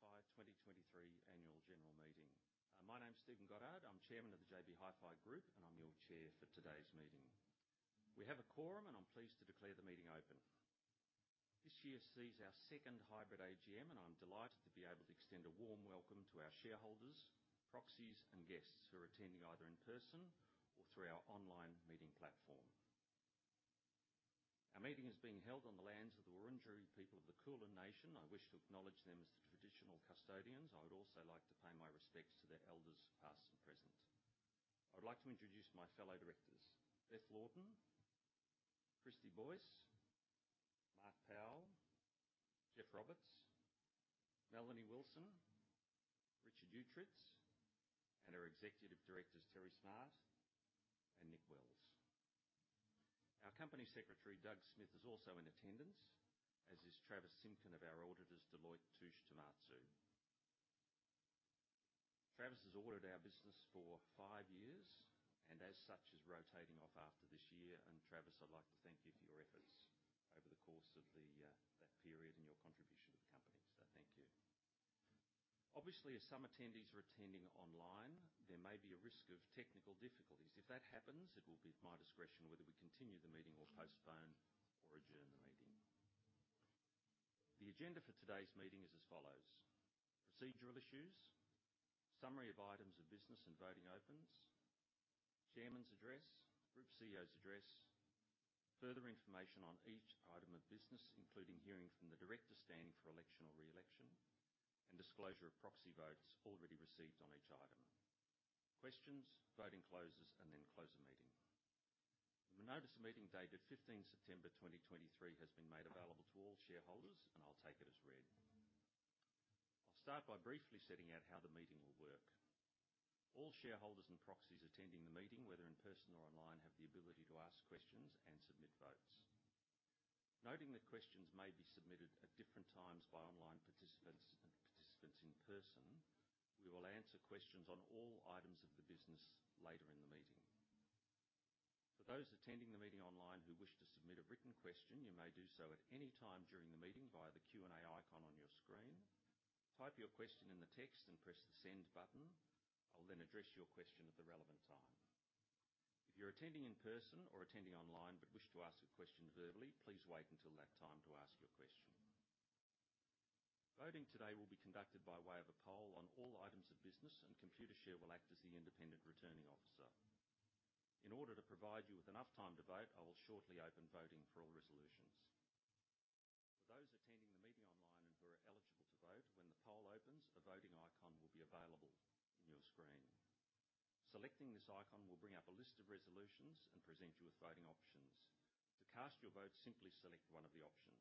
Good morning, and welcome to the JB Hi-Fi 2023 Annual General Meeting. My name is Stephen Goddard. I'm Chairman of the JB Hi-Fi Group, and I'm your chair for today's meeting. We have a quorum, and I'm pleased to declare the meeting open. This year sees our second hybrid AGM, and I'm delighted to be able to extend a warm welcome to our shareholders, proxies, and guests who are attending either in person or through our online meeting platform. Our meeting is being held on the lands of the Wurundjeri people of the Kulin Nation. I wish to acknowledge them as the traditional custodians. I would also like to pay my respects to their elders, past and present. I would like to introduce my fellow directors, Beth Laughton, Christy Boyce, Mark Powell, Geoff Roberts, Melanie Wilson, Richard Uechtritz, and our executive directors, Terry Smart and Nick Wells. Our Company Secretary, Doug Smith, is also in attendance, as is Travis Simpkin of our auditors, Deloitte Touche Tohmatsu. Travis has audited our business for five years, and as such, is rotating off after this year. Travis, I'd like to thank you for your efforts over the course of that period and your contribution to the company. So thank you. Obviously, as some attendees are attending online, there may be a risk of technical difficulties. If that happens, it will be at my discretion whether we continue the meeting or postpone or adjourn the meeting. The agenda for today's meeting is as follows: procedural issues, summary of items of business and voting opens, chairman's address, Group CEO's address, further information on each item of business, including hearing from the director standing for election or re-election, and disclosure of proxy votes already received on each item. Questions, voting closes, and then close the meeting. The notice of meeting dated 15th September 2023 has been made available to all shareholders, and I'll take it as read. I'll start by briefly setting out how the meeting will work. All shareholders and proxies attending the meeting, whether in person or online, have the ability to ask questions and submit votes. Noting that questions may be submitted at different times by online participants and participants in person, we will answer questions on all items of the business later in the meeting. For those attending the meeting online who wish to submit a written question, you may do so at any time during the meeting via the Q&A icon on your screen. Type your question in the text and press the Send button. I'll then address your question at the relevant time. If you're attending in person or attending online, but wish to ask a question verbally, please wait until that time to ask your question. Voting today will be conducted by way of a poll on all items of business, and Computershare will act as the independent returning officer. In order to provide you with enough time to vote, I will shortly open voting for all resolutions. For those attending the meeting online and who are eligible to vote, when the poll opens, a voting icon will be available on your screen. Selecting this icon will bring up a list of resolutions and present you with voting options. To cast your vote, simply select one of the options.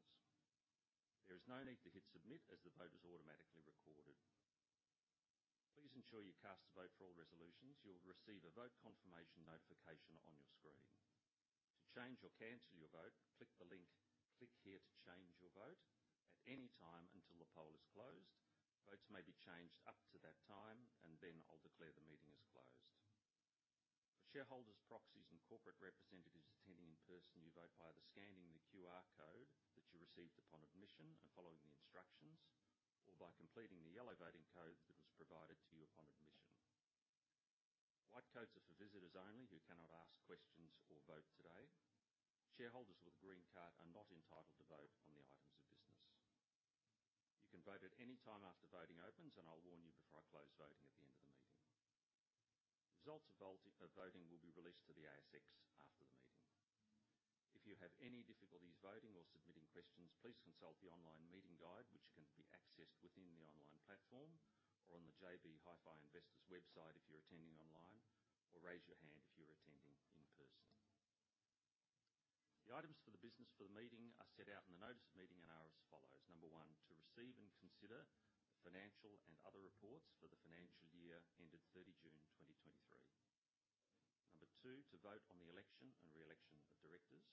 There is no need to hit Submit, as the vote is automatically recorded. Please ensure you cast a vote for all resolutions. You'll receive a vote confirmation notification on your screen. To change or cancel your vote, click the link, "Click here to change your vote," at any time until the poll is closed. Votes may be changed up to that time, and then I'll declare the meeting is closed. For shareholders, proxies, and corporate representatives attending in person, you vote by either scanning the QR code that you received upon admission and following the instructions, or by completing the yellow voting code that was provided to you upon admission. White codes are for visitors only who cannot ask questions or vote today. Shareholders with a green card are not entitled to vote on the items of business. You can vote at any time after voting opens, and I'll warn you before I close voting at the end of the meeting. Results of voting will be released to the ASX after the meeting. If you have any difficulties voting or submitting questions, please consult the online meeting guide, which can be accessed within the online platform or on the JB Hi-Fi Investors website if you're attending online, or raise your hand if you're attending in person. The items for the business for the meeting are set out in the notice of meeting and are as follows: One, to receive and consider the financial and other reports for the financial year ended 30 June 2023. Two, to vote on the election and re-election of directors.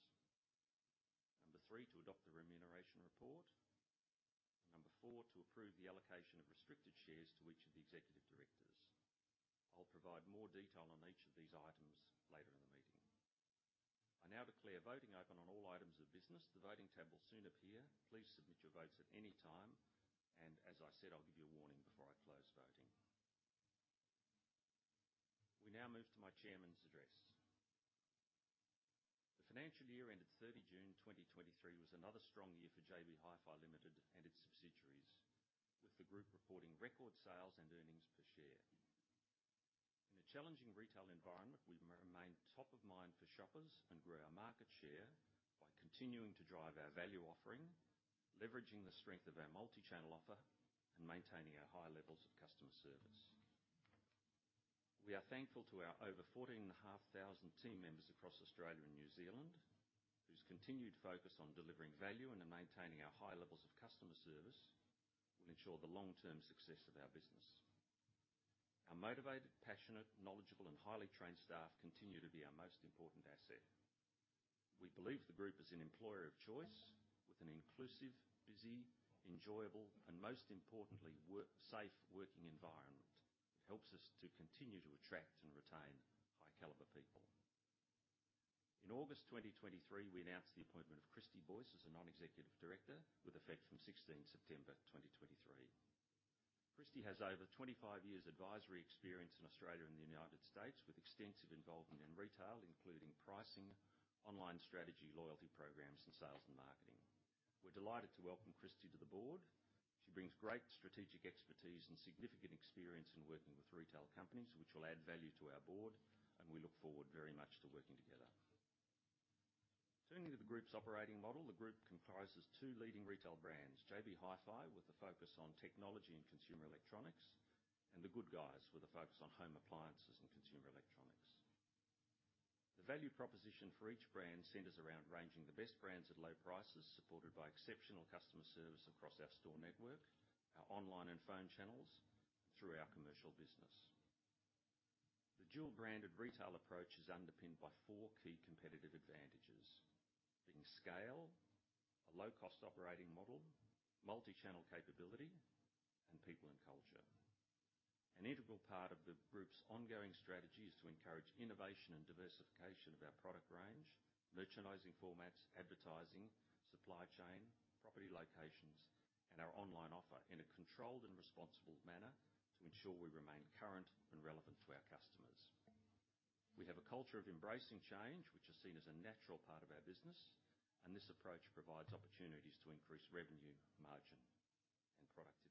Three, to adopt the remuneration report. And four, to approve the allocation of restricted shares to each of the executive directors. I'll provide more detail on each of these items later in the meeting. I now declare voting open on all items of business. The voting tab will soon appear. Please submit your votes at any time, and as I said, I'll give you a warning before I close voting. We now move to my chairman's address. The financial year ended 30 June 2023 was another strong year for JB Hi-Fi Limited and its subsidiaries, with the group reporting record sales and earnings per share. In a challenging retail environment, we've remained top of mind for shoppers and grew our market share by continuing to drive our value offering, leveraging the strength of our multi-channel offer, and maintaining our high levels of customer service. We are thankful to our over 14,500 team members across Australia and New Zealand, whose continued focus on delivering value and in maintaining our high levels of customer service will ensure the long-term success of our business. Our motivated, passionate, knowledgeable, and highly trained staff continue to be our most important asset. We believe the group is an employer of choice with an inclusive, busy, enjoyable, and most importantly, work-safe working environment. It helps us to continue to attract and retain high-caliber people. In August 2023, we announced the appointment of Christy Boyce as a non-executive director with effect from 16th September 2023. Christy has over 25 years advisory experience in Australia and the United States, with extensive involvement in retail, including pricing, online strategy, loyalty programs, and sales and marketing. We're delighted to welcome Christy to the board. She brings great strategic expertise and significant experience in working with retail companies, which will add value to our board, and we look forward very much to working together. Turning to the group's operating model, the group comprises two leading retail brands: JB Hi-Fi, with a focus on technology and consumer electronics, and The Good Guys, with a focus on home appliances and consumer electronics. The value proposition for each brand centers around ranging the best brands at low prices, supported by exceptional customer service across our store network, our online and phone channels, through our commercial business. The dual-branded retail approach is underpinned by four key competitive advantages, being scale, a low-cost operating model, multi-channel capability, and people and culture. An integral part of the group's ongoing strategy is to encourage innovation and diversification of our product range, merchandising formats, advertising, supply chain, property locations, and our online offer in a controlled and responsible manner to ensure we remain current and relevant to our customers. We have a culture of embracing change, which is seen as a natural part of our business, and this approach provides opportunities to increase revenue, margin, and productivity.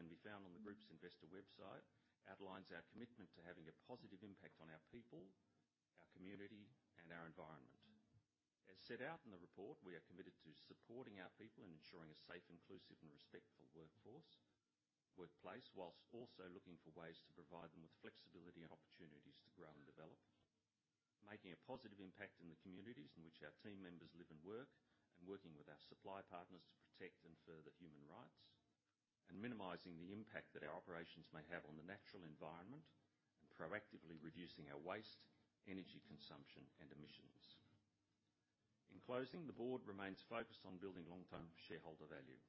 The group's FY23 sustainability report, which can be found on the group's investor website, outlines our commitment to having a positive impact on our people, our community, and our environment. As set out in the report, we are committed to supporting our people and ensuring a safe, inclusive and respectful workforce, workplace, whilst also looking for ways to provide them with flexibility and opportunities to grow and develop. Making a positive impact in the communities in which our team members live and work, and working with our supply partners to protect and further human rights, and minimizing the impact that our operations may have on the natural environment, and proactively reducing our waste, energy consumption, and emissions. In closing, the board remains focused on building long-term shareholder value.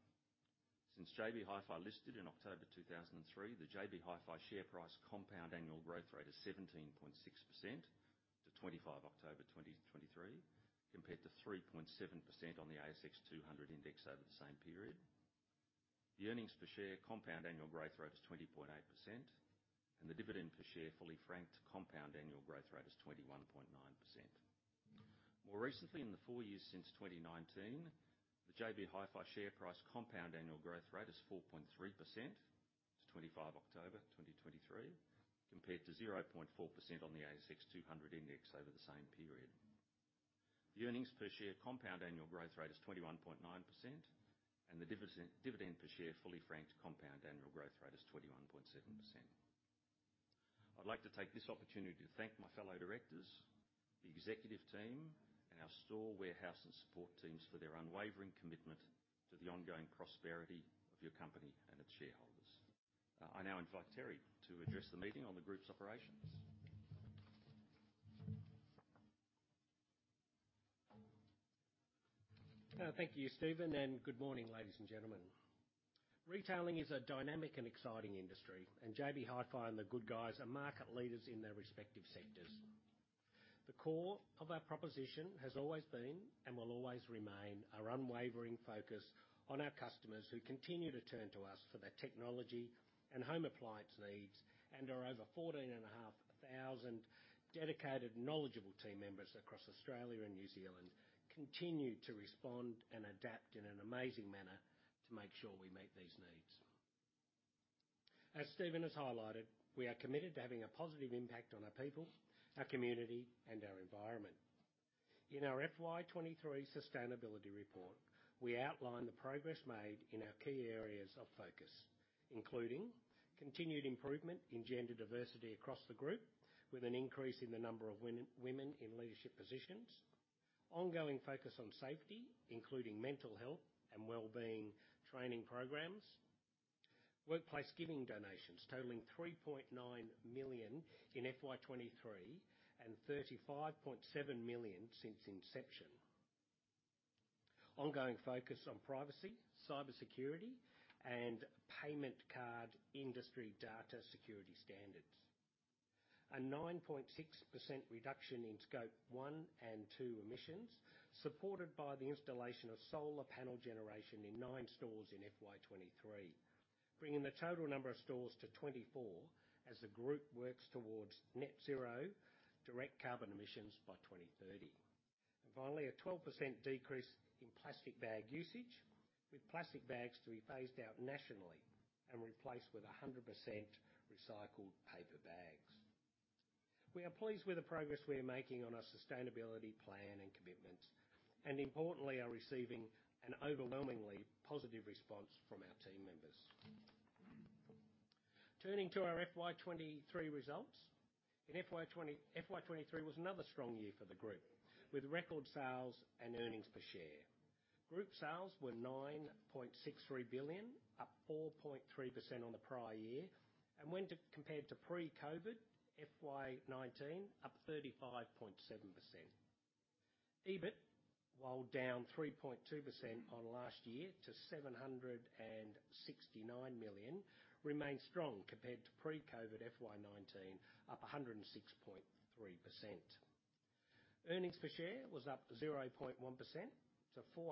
Since JB Hi-Fi listed in October 2003, the JB Hi-Fi share price compound annual growth rate is 17.6% to 25 October 2023, compared to 3.7% on the ASX 200 Index over the same period. The earnings per share compound annual growth rate is 20.8%, and the dividend per share, fully franked compound annual growth rate is 21.9%. More recently, in the four years since 2019, the JB Hi-Fi share price compound annual growth rate is 4.3%, to 25 October 2023, compared to 0.4% on the ASX 200 Index over the same period. The earnings per share compound annual growth rate is 21.9%, and the dividend per share, fully franked compound annual growth rate is 21.7%. I'd like to take this opportunity to thank my fellow directors, the executive team, and our store, warehouse, and support teams for their unwavering commitment to the ongoing prosperity of your company and its shareholders. I now invite Terry to address the meeting on the group's operations. Thank you, Stephen, and good morning, ladies and gentlemen. Retailing is a dynamic and exciting industry, and JB Hi-Fi and The Good Guys are market leaders in their respective sectors. The core of our proposition has always been, and will always remain, our unwavering focus on our customers who continue to turn to us for their technology and home appliance needs, and our over 14,500 dedicated, knowledgeable team members across Australia and New Zealand continue to respond and adapt in an amazing manner to make sure we meet these needs. As Stephen has highlighted, we are committed to having a positive impact on our people, our community, and our environment. In our FY 23 sustainability report, we outlined the progress made in our key areas of focus, including continued improvement in gender diversity across the group, with an increase in the number of women in leadership positions. Ongoing focus on safety, including mental health and well-being training programs. Workplace giving donations totaling 3.9 million in FY 23, and 35.7 million since inception. Ongoing focus on privacy, cybersecurity, and payment card industry data security standards. A 9.6% reduction in Scope 1 and 2 emissions, supported by the installation of solar panel generation in nine stores in FY 23, bringing the total number of stores to 24, as the group works towards net zero direct carbon emissions by 2030. And finally, a 12% decrease in plastic bag usage, with plastic bags to be phased out nationally and replaced with 100% recycled paper bags. We are pleased with the progress we are making on our sustainability plan and commitments, and importantly, are receiving an overwhelmingly positive response from our team members. Turning to our FY 2023 results. In FY 2023 was another strong year for the group, with record sales and earnings per share. Group sales were 9.63 billion, up 4.3% on the prior year, and when compared to pre-COVID, FY 2019, up 35.7%. EBIT, while down 3.2% on last year to 769 million, remains strong compared to pre-COVID FY 2019, up 106.3%. Earnings per share was up 0.1%, to 4.799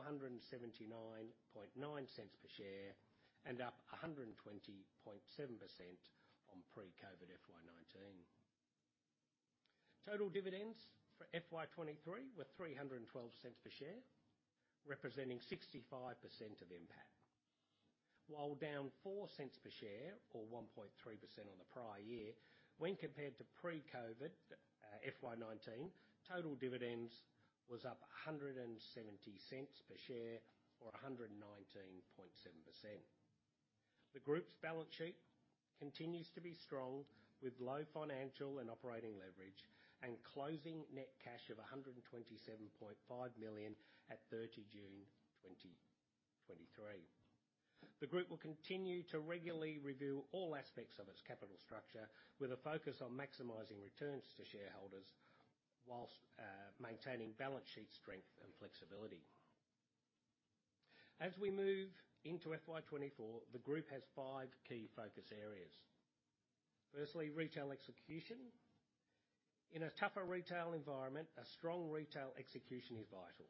per share, and up 120.7% on pre-COVID FY 2019. Total dividends for FY 2023 were 3.12 per share, representing 65% of the impact. While down 0.04 per share or 1.3% on the prior year, when compared to pre-COVID, FY 2019, total dividends was up 1.70 per share or 119.7%. The group's balance sheet continues to be strong, with low financial and operating leverage and closing net cash of 127.5 million at 30 June 2023. The group will continue to regularly review all aspects of its capital structure, with a focus on maximizing returns to shareholders, while maintaining balance sheet strength and flexibility. As we move into FY 2024, the group has five key focus areas. Firstly, retail execution. In a tougher retail environment, a strong retail execution is vital.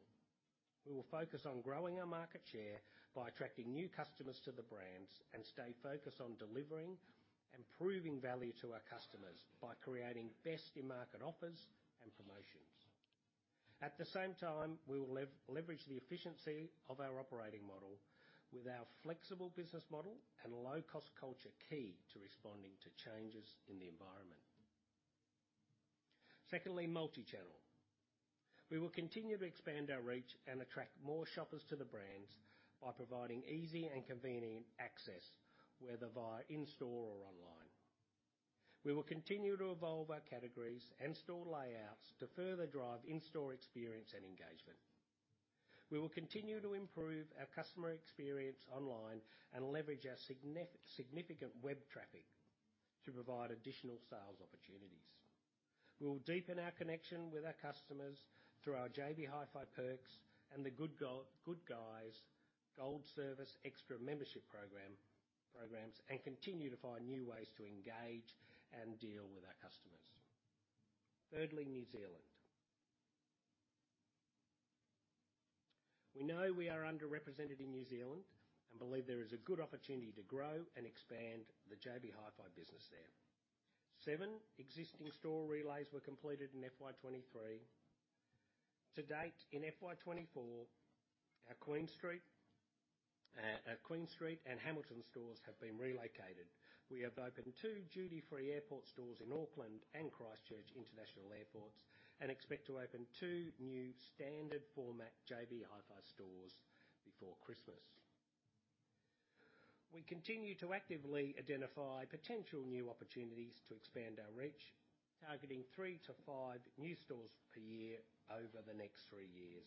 We will focus on growing our market share by attracting new customers to the brands, and stay focused on delivering and proving value to our customers by creating best-in-market offers and promotions. At the same time, we will leverage the efficiency of our operating model, with our flexible business model and low-cost culture key to responding to changes in the environment. Secondly, multi-channel. We will continue to expand our reach and attract more shoppers to the brands by providing easy and convenient access, whether via in-store or online. We will continue to evolve our categories and store layouts to further drive in-store experience and engagement. We will continue to improve our customer experience online and leverage our significant web traffic to provide additional sales opportunities. We will deepen our connection with our customers through our JB Hi-Fi Perks and The Good Guys Gold Service Extra membership programs, and continue to find new ways to engage and deal with our customers. Thirdly, New Zealand. We know we are underrepresented in New Zealand and believe there is a good opportunity to grow and expand the JB Hi-Fi business there. Seven existing store relays were completed in FY 2023. To date, in FY 2024, our Queen Street and Hamilton stores have been relocated. We have opened two duty-free airport stores in Auckland and Christchurch International Airports, and expect to open two new standard format JB Hi-Fi stores before Christmas. We continue to actively identify potential new opportunities to expand our reach, targeting 3-5 new stores per year over the next three years.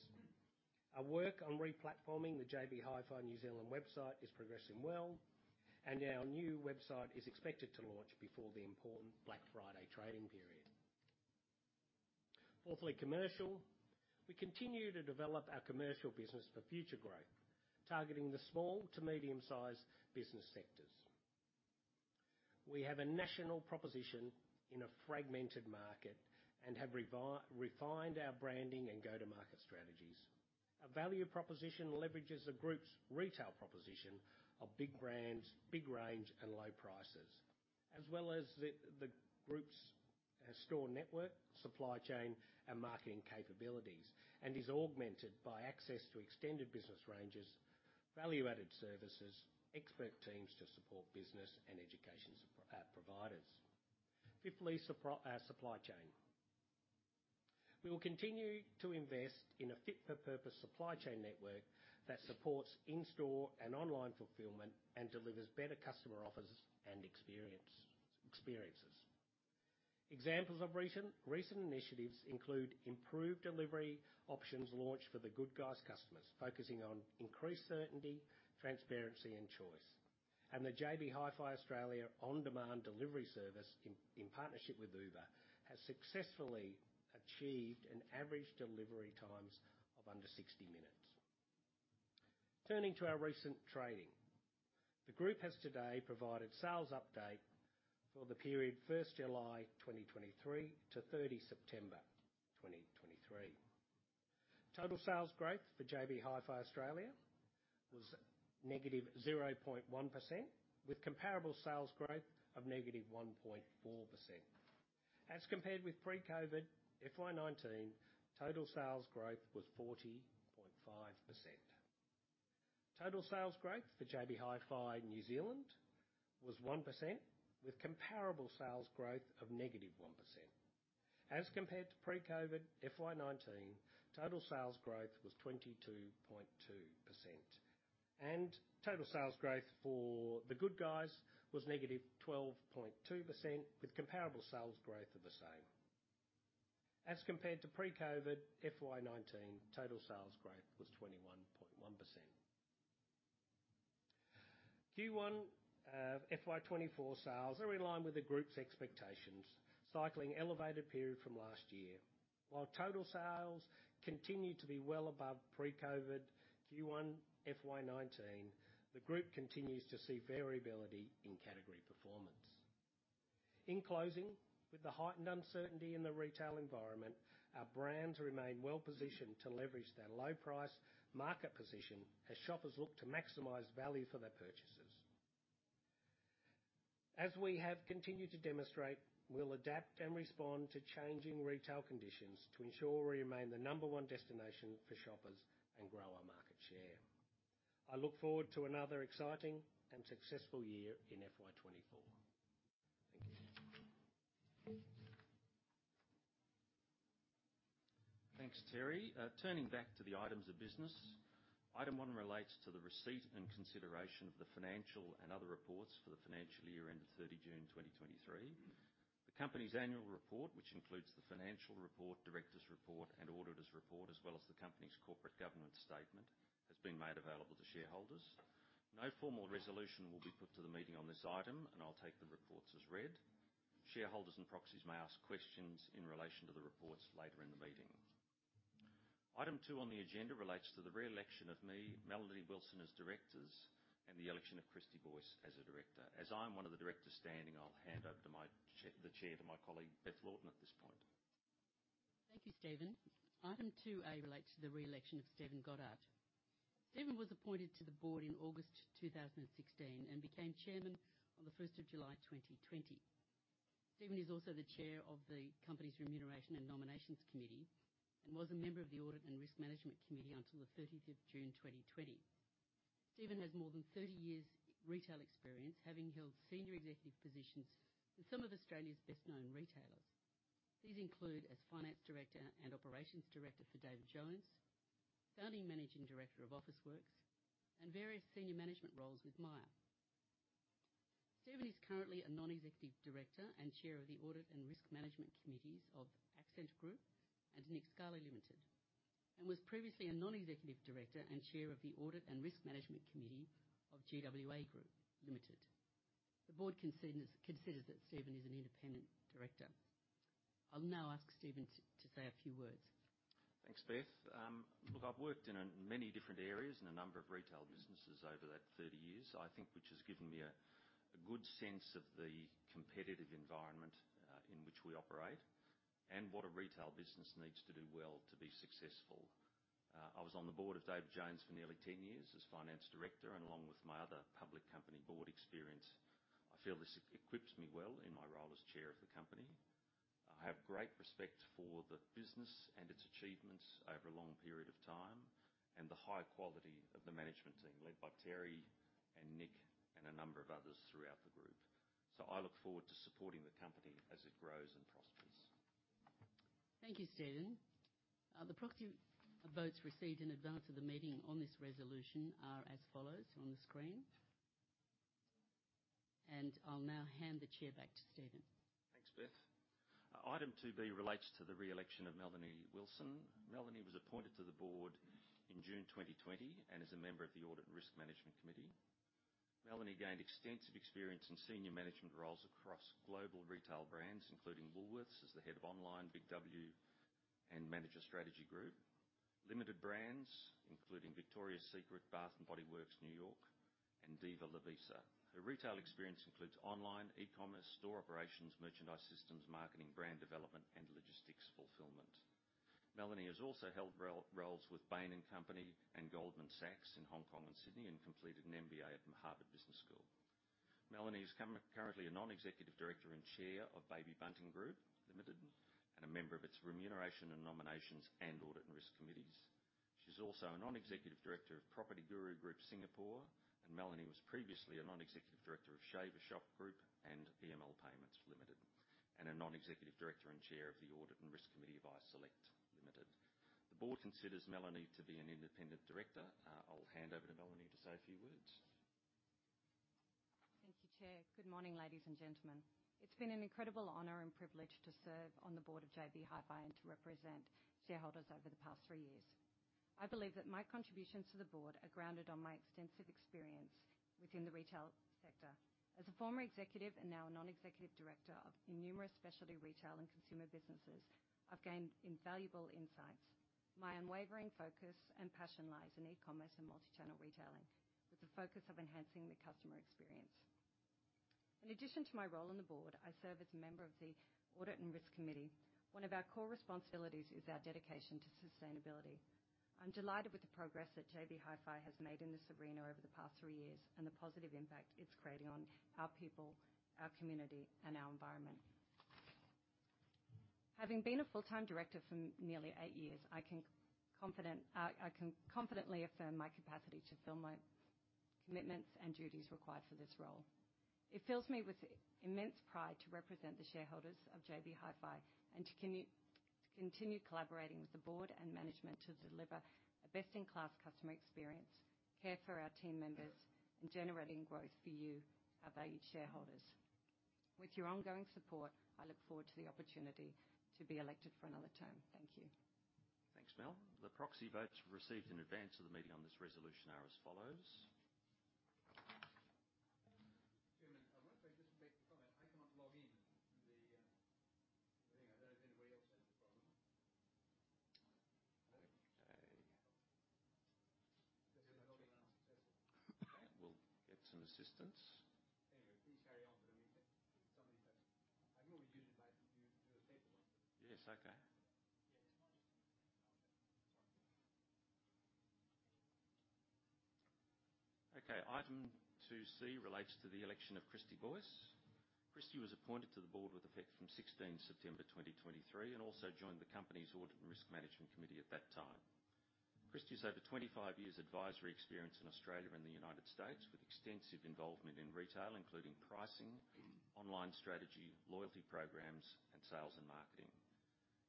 Our work on re-platforming the JB Hi-Fi New Zealand website is progressing well, and our new website is expected to launch before the important Black Friday trading period. Fourthly, commercial. We continue to develop our commercial business for future growth, targeting the small to medium-sized business sectors. We have a national proposition in a fragmented market and have refined our branding and go-to-market strategies. Our value proposition leverages the group's retail proposition of big brands, big range, and low prices, as well as the group's store network, supply chain, and marketing capabilities. And is augmented by access to extended business ranges, value-added services, expert teams to support business, and education providers. Fifthly, supply chain. We will continue to invest in a fit-for-purpose supply chain network that supports in-store and online fulfillment and delivers better customer offers and experiences. Examples of recent initiatives include improved delivery options launched for The Good Guys customers, focusing on increased certainty, transparency, and choice. And the JB Hi-Fi Australia on-demand delivery service, in partnership with Uber, has successfully achieved an average delivery times of under 60 minutes. Turning to our recent trading. The group has today provided sales update for the period 1 July 2023 to 30 September 2023. Total sales growth for JB Hi-Fi Australia was negative 0.1%, with comparable sales growth of negative 1.4%. As compared with pre-COVID FY 2019, total sales growth was 40.5%. Total sales growth for JB Hi-Fi New Zealand was 1%, with comparable sales growth of -1%. As compared to pre-COVID FY 2019, total sales growth was 22.2%, and total sales growth for The Good Guys was -12.2%, with comparable sales growth of the same. As compared to pre-COVID FY 2019, total sales growth was 21.1%. Q1 FY 2024 sales are in line with the group's expectations, cycling elevated period from last year. While total sales continue to be well above pre-COVID Q1 FY 2019, the group continues to see variability in category performance. In closing, with the heightened uncertainty in the retail environment, our brands remain well positioned to leverage their low price market position as shoppers look to maximize value for their purchases. As we have continued to demonstrate, we'll adapt and respond to changing retail conditions to ensure we remain the number one destination for shoppers and grow our market share. I look forward to another exciting and successful year in FY 2024. Thank you. Thanks, Terry. Turning back to the items of business. Item one relates to the receipt and consideration of the financial and other reports for the financial year ended 30 June 2023. The company's annual report, which includes the financial report, directors' report, and auditors' report, as well as the company's corporate governance statement, has been made available to shareholders. No formal resolution will be put to the meeting on this item, and I'll take the reports as read. Shareholders and proxies may ask questions in relation to the reports later in the meeting. Item two on the agenda relates to the re-election of me, Melanie Wilson, as directors, and the election of Christy Boyce as a director. As I'm one of the directors standing, I'll hand over to my chair, the chair to my colleague, Beth Laughton, at this point. Thank you, Stephen. Item two A relates to the re-election of Stephen Goddard. Stephen was appointed to the board in August 2016 and became chairman on July 1, 2020. Stephen is also the chair of the company's Remuneration and Nominations Committee, and was a member of the Audit and Risk Management Committee until June 30, 2020. Stephen has more than 30 years retail experience, having held senior executive positions with some of Australia's best-known retailers. These include as finance director and operations director for David Jones, founding managing director of Officeworks, and various senior management roles with Myer. Stephen is currently a non-executive director and chair of the Audit and Risk Management Committees of Accent Group and Nick Scali Limited, and was previously a non-executive director and chair of the Audit and Risk Management Committee of GWA Group Limited. The board considers that Stephen is an independent director. I'll now ask Stephen to say a few words. Thanks, Beth. Look, I've worked in a many different areas in a number of retail businesses over that 30 years, I think, which has given me a, a good sense of the competitive environment, in which we operate and what a retail business needs to do well to be successful. I was on the board of David Jones for nearly 10 years as finance director, and along with my other public company board experience, I feel this equips me well in my role as chair of the company. I have great respect for the business and its achievements over a long period of time, and the high quality of the management team led by Terry and Nick and a number of others throughout the group. So I look forward to supporting the company as it grows and prospers. Thank you, Stephen. The proxy votes received in advance of the meeting on this resolution are as follows on the screen. I'll now hand the chair back to Stephen. Thanks, Beth. Item two B relates to the re-election of Melanie Wilson. Melanie was appointed to the board in June 2020, and is a member of the Audit and Risk Management Committee. Melanie gained extensive experience in senior management roles across global retail brands, including Woolworths, as the head of Online, Big W, and Manager Strategy Group. Limited Brands, including Victoria's Secret, Bath & Body Works, New York & Company, and La Senza. Her retail experience includes online, e-commerce, store operations, merchandise systems, marketing, brand development, and logistics fulfillment. Melanie has also held roles with Bain & Company and Goldman Sachs in Hong Kong and Sydney, and completed an MBA at the Harvard Business School. Melanie is currently a non-executive director and chair of Baby Bunting Group Limited, and a member of its Remuneration and Nominations and Audit and Risk Committees. She's also a non-executive director of Property Guru Group Singapore, and Melanie was previously a non-executive director of Shaver Shop Group and EML Payments Limited, and a non-executive director and chair of the Audit and Risk Committee of iSelect Limited. The board considers Melanie to be an independent director. I'll hand over to Melanie to say a few words. Thank you, Chair. Good morning, ladies and gentlemen. It's been an incredible honor and privilege to serve on the board of JB Hi-Fi and to represent shareholders over the past three years. I believe that my contributions to the board are grounded on my extensive experience within the retail sector. As a former executive and now a non-executive director of numerous specialty retail and consumer businesses, I've gained invaluable insights. My unwavering focus and passion lies in e-commerce and multi-channel retailing, with the focus of enhancing the customer experience. In addition to my role on the board, I serve as a member of the Audit and Risk Committee. One of our core responsibilities is our dedication to sustainability. I'm delighted with the progress that JB Hi-Fi has made in this arena over the past three years, and the positive impact it's creating on our people, our community, and our environment. Having been a full-time director for nearly eight years, I can confidently affirm my capacity to fill my commitments and duties required for this role. It fills me with immense pride to represent the shareholders of JB Hi-Fi and to continue collaborating with the board and management to deliver a best-in-class customer experience, care for our team members, and generating growth for you, our valued shareholders. With your ongoing support, I look forward to the opportunity to be elected for another term. Thank you. Thanks, Mel. The proxy votes received in advance of the meeting on this resolution are as follows.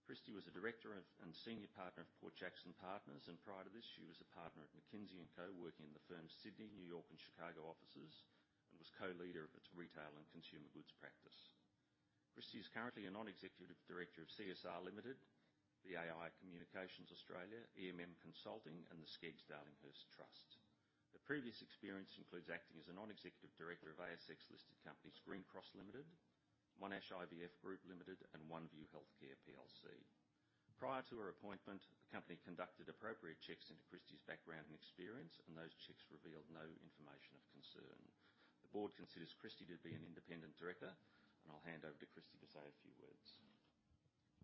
Christy was a director of, and Senior Partner of Port Jackson Partners, and prior to this, she was a partner at McKinsey & Co, working in the firm's Sydney, New York, and Chicago offices, and was co-leader of its Retail and Consumer Goods practice. Christy is currently a non-executive director of CSR Limited, BAI Communications Australia, EMM Consulting, and the SCEGGS Darlinghurst Trust. Her previous experience includes acting as a non-executive director of ASX-listed companies Greencross Limited, Monash IVF Group Limited, and OneView Healthcare Plc. Prior to her appointment, the company conducted appropriate checks into Christy's background and experience, and those checks revealed no information of concern. The board considers Christy to be an independent director, and I'll hand over to Christy to say a few words.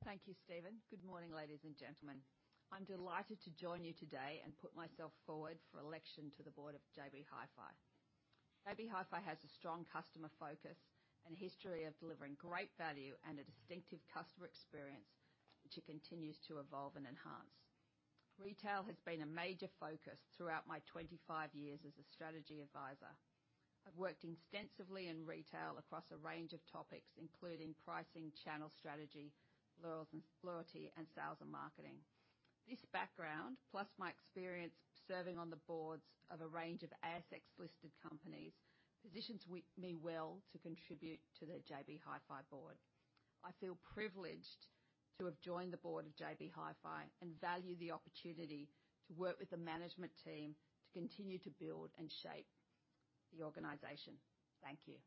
Thank you, Stephen. Good morning, ladies and gentlemen. I'm delighted to join you today and put myself forward for election to the board of JB Hi-Fi. JB Hi-Fi has a strong customer focus and a history of delivering great value and a distinctive customer experience, which it continues to evolve and enhance. Retail has been a major focus throughout my 25 years as a strategy advisor. I've worked extensively in retail across a range of topics, including pricing, channel strategy, loyalty, and sales and marketing. This background, plus my experience serving on the boards of a range of ASX-listed companies, positions me well to contribute to the JB Hi-Fi board. I feel privileged to have joined the board of JB Hi-Fi and value the opportunity to work with the management team to continue to build and shape the organization. Thank you.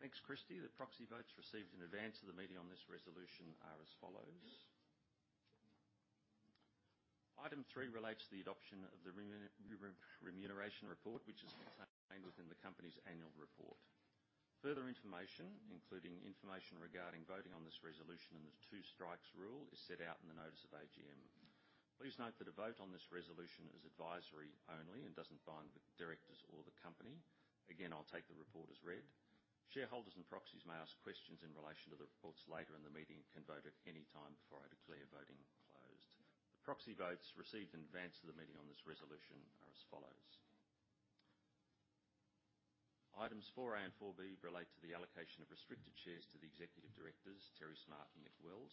Thanks, Christy. The proxy votes received in advance of the meeting on this resolution are as follows. Item three relates to the adoption of the Remuneration report, which is contained within the company's annual report. Further information, including information regarding voting on this resolution and the two strikes rule, is set out in the notice of AGM. Please note that a vote on this resolution is advisory only and doesn't bind the directors or the company. Again, I'll take the report as read. Shareholders and proxies may ask questions in relation to the reports later in the meeting and can vote at any time before I declare voting closed. The proxy votes received in advance of the meeting on this resolution are as follows. Items four A and four B relate to the allocation of restricted shares to the executive directors, Terry Smart and Nick Wells.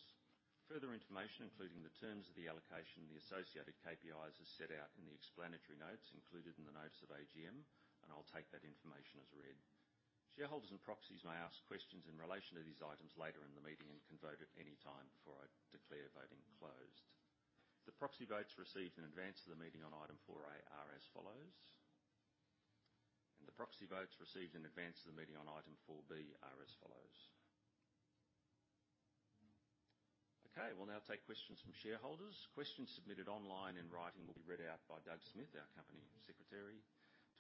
Further information, including the terms of the allocation and the associated KPIs, is set out in the explanatory notes included in the notice of AGM, and I'll take that information as read. Shareholders and proxies may ask questions in relation to these items later in the meeting and can vote at any time before I declare voting closed. The proxy votes received in advance of the meeting on item 4A are as follows. The proxy votes received in advance of the meeting on item 4B are as follows. Okay, we'll now take questions from shareholders. Questions submitted online in writing will be read out by Doug Smith, our company secretary.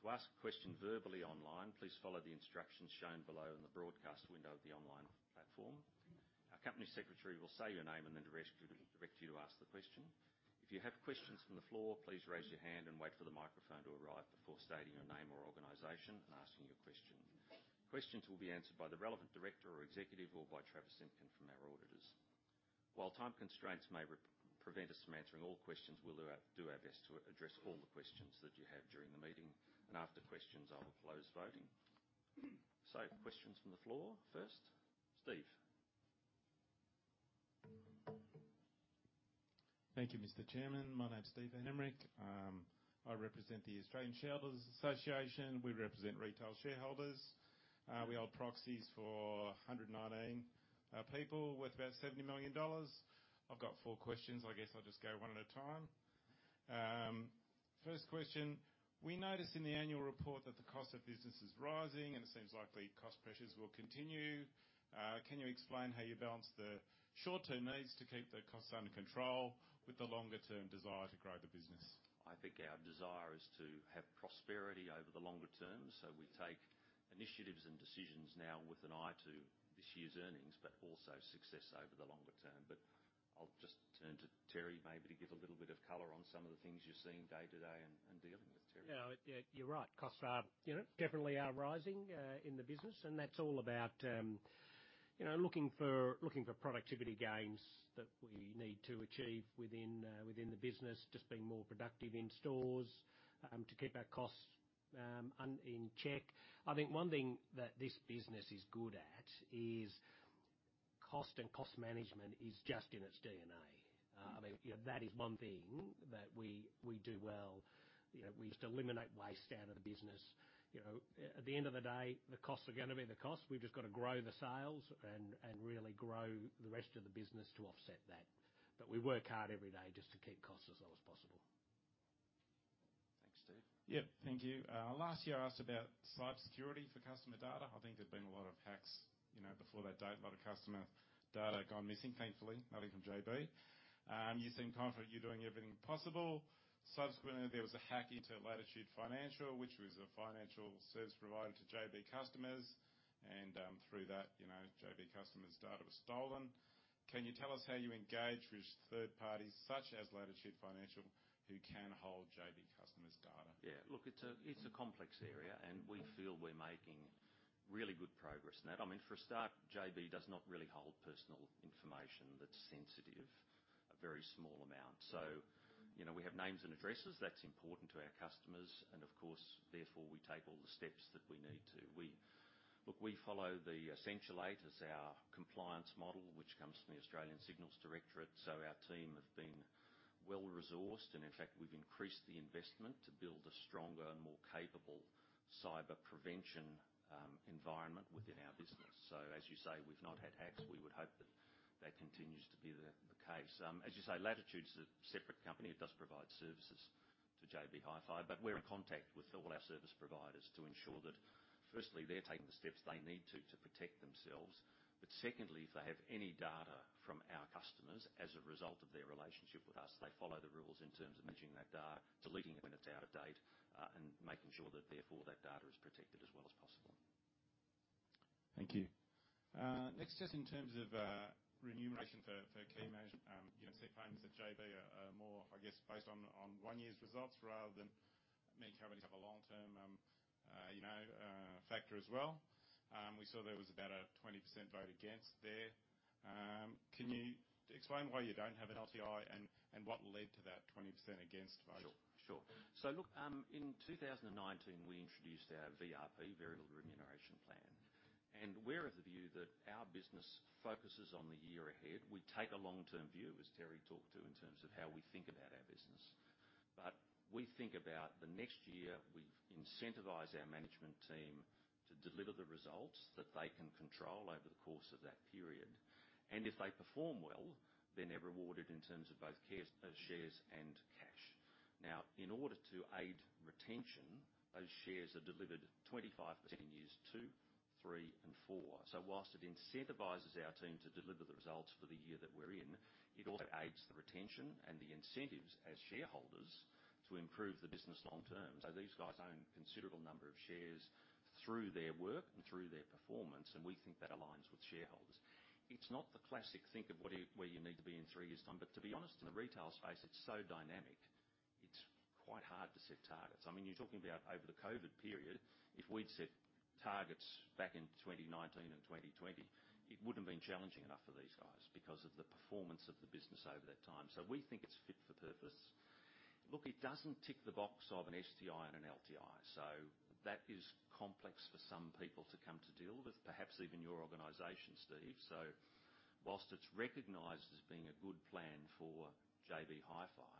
To ask a question verbally online, please follow the instructions shown below in the broadcast window of the online platform. Our company secretary will say your name and then direct you to ask the question. If you have questions from the floor, please raise your hand and wait for the microphone to arrive before stating your name or organization and asking your question. Questions will be answered by the relevant director or executive or by Travis Simpkin from our auditors. While time constraints may prevent us from answering all questions, we'll do our best to address all the questions that you have during the meeting. And after questions, I'll close voting. So, questions from the floor. First, Steve. Thank you, Mr. Chairman. My name's Steve van Hemert. I represent the Australian Shareholders' Association. We represent retail shareholders. We hold proxies for 119 people with about AUD 70 million. I've got four questions. I guess I'll just go one at a time. First question: We noticed in the annual report that the cost of business is rising, and it seems like the cost pressures will continue. Can you explain how you balance the short-term needs to keep the costs under control with the longer-term desire to grow the business? I think our desire is to have prosperity over the longer term, so we take initiatives and decisions now with an eye to this year's earnings, but also success over the longer term. But I'll just turn to Terry maybe to give a little bit of color on some of the things you're seeing day-to-day and dealing with. Terry? Yeah, yeah, you're right. Costs are, you know, definitely rising in the business, and that's all about, you know, looking for productivity gains that we need to achieve within the business. Just being more productive in stores to keep our costs in check. I think one thing that this business is good at is cost and cost management is just in its DNA. I mean, you know, that is one thing that we do well. You know, we just eliminate waste out of the business. You know, at the end of the day, the costs are gonna be the costs. We've just got to grow the sales and really grow the rest of the business to offset that. But we work hard every day just to keep costs as low as possible. Thanks, Steve. Yep, thank you. Last year, I asked about cyber security for customer data. I think there'd been a lot of hacks, you know, before that date, a lot of customer data had gone missing. Thankfully, nothing from JB. You seemed confident you're doing everything possible. Subsequently, there was a hack into Latitude Financial, which was a financial service provider to JB customers, and, through that, you know, JB customers' data was stolen. Can you tell us how you engage with third parties, such as Latitude Financial, who can hold JB customers' data? Yeah. Look, it's a complex area, and we feel we're making really good progress in that. I mean, for a start, JB does not really hold personal information that's sensitive, a very small amount. So, you know, we have names and addresses. That's important to our customers, and of course, therefore, we take all the steps that we need to. Look, we follow the Essential Eight as our compliance model, which comes from the Australian Signals Directorate. So our team have been well-resourced, and in fact, we've increased the investment to build a stronger and more capable cyber prevention environment within our business. So as you say, we've not had hacks. We would hope that that continues to be the case. As you say, Latitude's a separate company. It does provide services to JB Hi-Fi, but we're in contact with all our service providers to ensure that, firstly, they're taking the steps they need to, to protect themselves. But secondly, if they have any data from our customers as a result of their relationship with us, they follow the rules in terms of managing that data, deleting it when it's out of date, and making sure that, therefore, that data is protected as well as possible. Thank you. Next, just in terms of remuneration for key management, you know, such claims that JB are more, I guess, based on one year's results rather than many companies have a long-term, you know, factor as well. We saw there was about a 20% vote against there. Can you explain why you don't have an LTI, and, and what led to that 20% against vote? Sure. Sure. So look, in 2019, we introduced our VRP, Variable Remuneration Plan, and we're of the view that our business focuses on the year ahead. We take a long-term view, as Terry talked to, in terms of how we think about our business. But we think about the next year. We incentivize our management team to deliver the results that they can control over the course of that period, and if they perform well, then they're rewarded in terms of both shares and cash. Now, in order to aid retention, those shares are delivered 25% in years two, three, and four. So whilst it incentivizes our team to deliver the results for the year that we're in, it also aids the retention and the incentives as shareholders to improve the business long term. So these guys own a considerable number of shares through their work and through their performance, and we think that aligns with shareholders. It's not the classic, where you need to be in three years' time, but to be honest, in the retail space, it's so dynamic, it's quite hard to set targets. I mean, you're talking about over the COVID period, if we'd set targets back in 2019 and 2020, it wouldn't have been challenging enough for these guys because of the performance of the business over that time. So we think it's fit for purpose. Look, it doesn't tick the box of an STI and an LTI, so that is complex for some people to come to deal with, perhaps even your organization, Steve. So whilst it's recognized as being a good plan for JB Hi-Fi,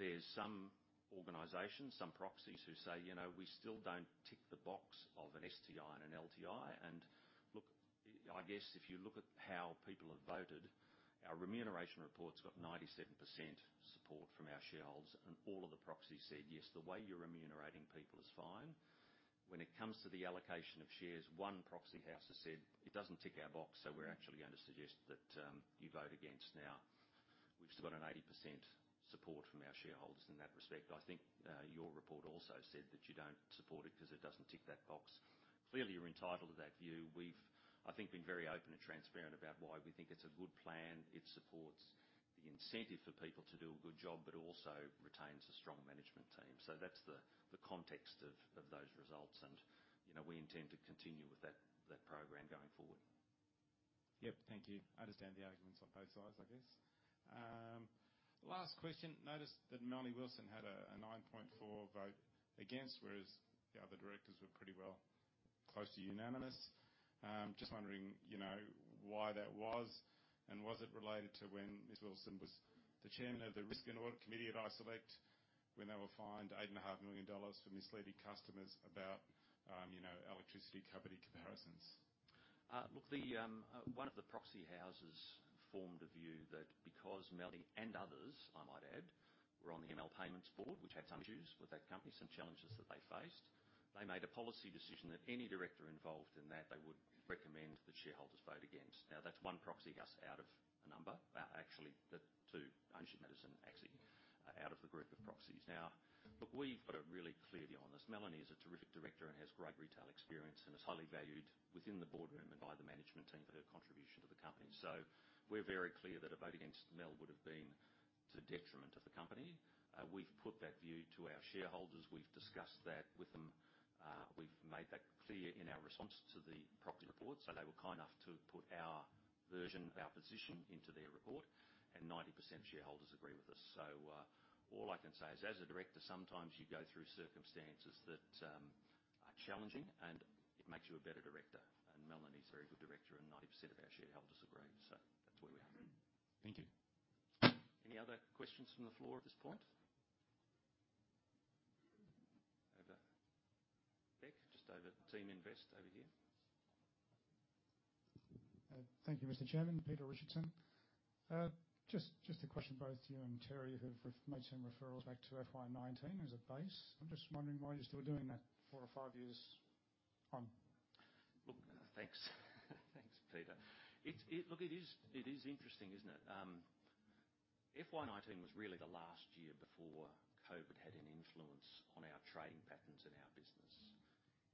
there's some organizations, some proxies, who say, "You know, we still don't tick the box of an STI and an LTI." And look, I guess if you look at how people have voted, our remuneration report's got 97% support from our shareholders, and all of the proxies said, "Yes, the way you're remunerating people is fine." When it comes to the allocation of shares, one proxy house has said, "It doesn't tick our box, so we're actually going to suggest that you vote against." Now, we've still got an 80% support from our shareholders in that respect. I think, your report also said that you don't support it, 'cause it doesn't tick that box. Clearly, you're entitled to that view. We've, I think, been very open and transparent about why we think it's a good plan. It supports the incentive for people to do a good job, but also retains a strong management team. So that's the context of those results, and, you know, we intend to continue with that program going forward. Yep, thank you. I understand the arguments on both sides, I guess. Last question. Noticed that Melanie Wilson had a 9.4 vote against, whereas the other directors were pretty well close to unanimous. Just wondering, you know, why that was, and was it related to when Ms. Wilson was the chairman of the Risk and Audit Committee at iSelect, when they were fined 8.5 million dollars for misleading customers about, you know, electricity company comparisons? Look, one of the proxy houses formed a view that because Melanie, and others, I might add, were on the VML Payments board, which had some issues with that company, some challenges that they faced. They made a policy decision that any director involved in that, they would recommend that shareholders vote against. Now, that's one proxy house out of a number. Actually, the two, ISS and Glass Lewis, actually, out of the group of proxies. Now, look, we've got a really clear view on this. Melanie is a terrific director and has great retail experience and is highly valued within the boardroom and by the management team for her contribution to the company. So we're very clear that a vote against Mel would have been to the detriment of the company. We've put that view to our shareholders. We've discussed that with them. We've made that clear in our response to the proxy report, so they were kind enough to put our version, our position into their report, and 90% of shareholders agree with us. So, all I can say is, as a director, sometimes you go through circumstances that are challenging, and it makes you a better director. And Melanie's a very good director, and 90% of our shareholders agree, so that's where we are. Thank you. Any other questions from the floor at this point? Over, Nick, just over Teaminvest over here. Thank you, Mr. Chairman. Peter Richardson. Just a question, both to you and Terry, who've made some referrals back to FY 19 as a base. I'm just wondering why you're still doing that four or five years on. Look, thanks. Thanks, Peter. It's interesting, isn't it? FY 2019 was really the last year before COVID had an influence on our trading patterns and our business.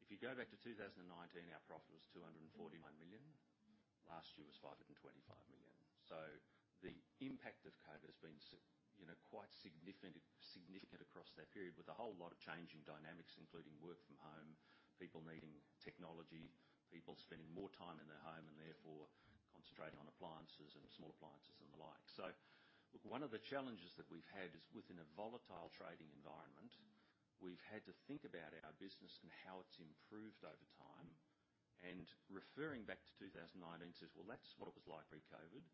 If you go back to 2019, our profit was 241 million. Last year, it was 525 million. So the impact of COVID has been, you know, quite significant, significant across that period, with a whole lot of changing dynamics, including work from home, people needing technology, people spending more time in their home and therefore concentrating on appliances and small appliances and the like. So look, one of the challenges that we've had is, within a volatile trading environment, we've had to think about our business and how it's improved over time, and referring back to 2019 says, well, that's what it was like pre-COVID.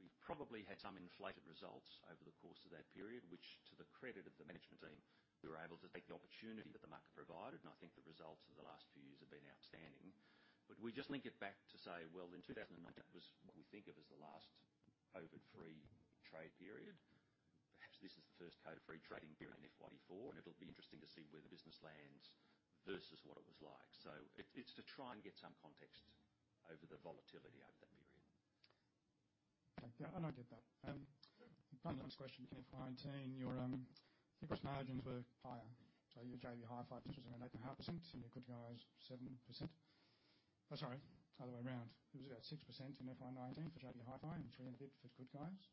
We've probably had some inflated results over the course of that period, which, to the credit of the management team, we were able to take the opportunity that the market provided, and I think the results of the last few years have been outstanding. But we just link it back to say, well, in 2019 was what we think of as the last COVID-free trade period. Perhaps this is the first COVID-free trading period in FY 2024, and it'll be interesting to see where the business lands versus what it was like. So it's to try and get some context over the volatility over that period. Thank you, and I get that. One last question. In FY 2019, your gross margins were higher. So your JB Hi-Fi was around 8.5%, and your Good Guys, 7%. Oh, sorry, other way around. It was about 6% in FY 2019 for JB Hi-Fi and 3% and a bit for Good Guys.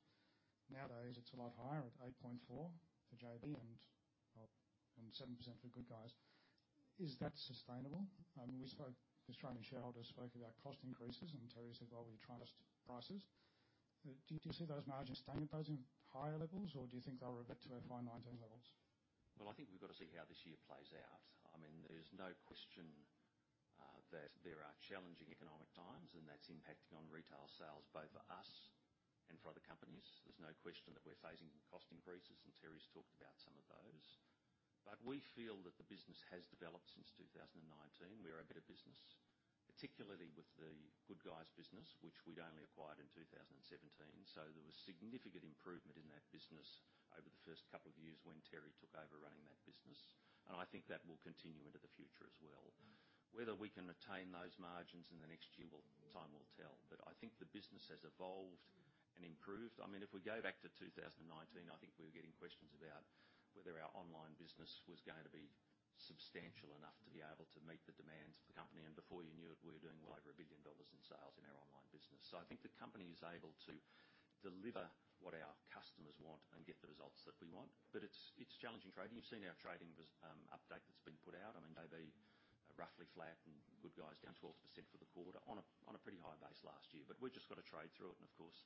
Nowadays, it's a lot higher, at 8.4% for JB and, and 7% for Good Guys. Is that sustainable? Australian shareholders spoke about cost increases, and Terry said, "Well, we're trying to adjust prices." Do you see those margins staying at those higher levels, or do you think they'll revert to FY 2019 levels? Well, I think we've got to see how this year plays out. I mean, there's no question that there are challenging economic times, and that's impacting on retail sales, both for us and for other companies. There's no question that we're facing cost increases, and Terry's talked about some of those. But we feel that the business has developed since 2019. We're a better business, particularly with The Good Guys business, which we'd only acquired in 2017. So there was significant improvement in that business over the first couple of years when Terry took over running that business, and I think that will continue into the future as well. Whether we can retain those margins in the next year, well, time will tell. But I think the business has evolved and improved. I mean, if we go back to 2019, I think we were getting questions about whether our online business was going to be substantial enough to be able to meet the demands of the company. And before you knew it, we were doing well over 1 billion dollars in sales in our online business. So I think the company is able to deliver what our customers want and get the results that we want. But it's, it's challenging trading. You've seen our trading business update that's been put out. I mean, JB, roughly flat, and Good Guys down 12% for the quarter on a, on a pretty high base last year. But we've just got to trade through it, and of course,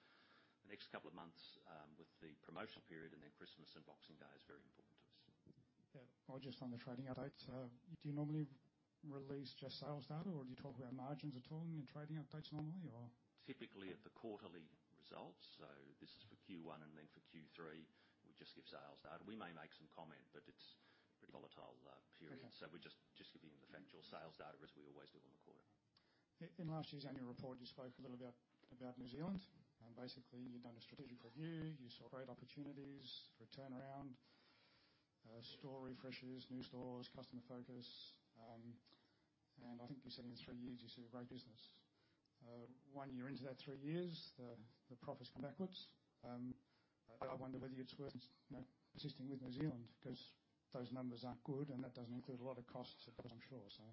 the next couple of months, with the promotional period and then Christmas and Boxing Day is very important to us. Yeah. Well, just on the trading updates, do you normally release just sales data, or do you talk about margins at all in your trading updates normally, or? Typically at the quarterly results, so this is for Q1, and then for Q3, we just give sales data. We may make some comment, but it's pretty volatile period. Okay. We're just giving you the factual sales data as we always do on the quarter. In last year's annual report, you spoke a little about New Zealand, and basically, you'd done a strategic review. You saw great opportunities for a turnaround, store refreshes, new stores, customer focus. And I think you're saying in three years you see a great business. One year into that three years, the profit's gone backwards. I wonder whether it's worth, you know, persisting with New Zealand, 'cause those numbers aren't good, and that doesn't include a lot of costs, of course, I'm sure, so.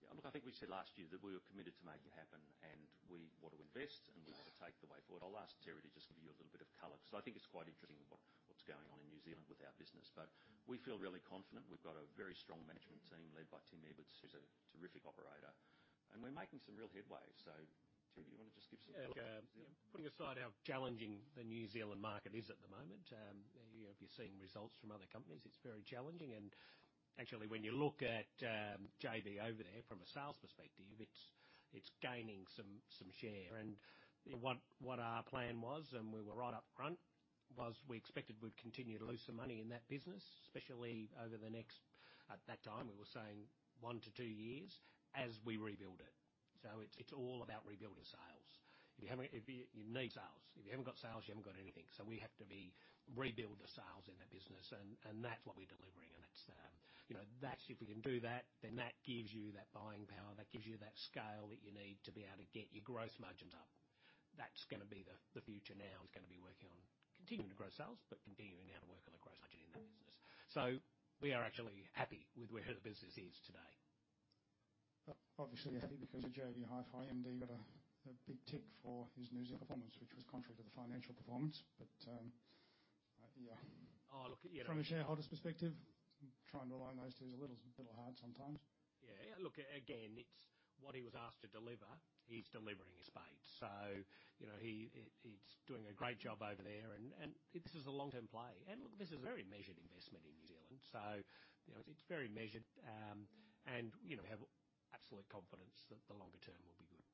Yeah, look, I think we said last year that we were committed to make it happen, and we want to invest, and we want to take the way forward. I'll ask Terry to just give you a little bit of color, 'cause I think it's quite interesting what, what's going on in New Zealand with our business. But we feel really confident. We've got a very strong management team led by Tim Edwards, who's a terrific operator, and we're making some real headway. So Terry, do you want to just give us some color on New Zealand? Yeah, putting aside how challenging the New Zealand market is at the moment, you know, if you're seeing results from other companies, it's very challenging. And actually, when you look at JB over there from a sales perspective, it's gaining some share. And, you know, what our plan was, and we were right up front, was we expected we'd continue to lose some money in that business, especially over the next, at that time, we were saying 1-2 years, as we rebuild it. So it's all about rebuilding sales. If you need sales. If you haven't got sales, you haven't got anything. So we have to rebuild the sales in that business, and that's what we're delivering, and it's, you know, that's. If we can do that, then that gives you that buying power, that gives you that scale that you need to be able to get your gross margins up. That's gonna be the future now is gonna be working on continuing to grow sales, but continuing how to work on the gross margin in that business. So we are actually happy with where the business is today. Obviously happy, because at JB Hi-Fi, Andy got a big tick for his New Zealand performance, which was contrary to the financial performance. But, yeah. Oh, look, yeah. From a shareholder's perspective, trying to align those two is a little, little hard sometimes. Yeah. Look, again, it's what he was asked to deliver, he's delivering in spades. So, you know, he, he's doing a great job over there, and this is a long-term play. And look, this is a very measured investment in New Zealand, so you know, it's very measured. You know, have absolute confidence that the longer term will be good.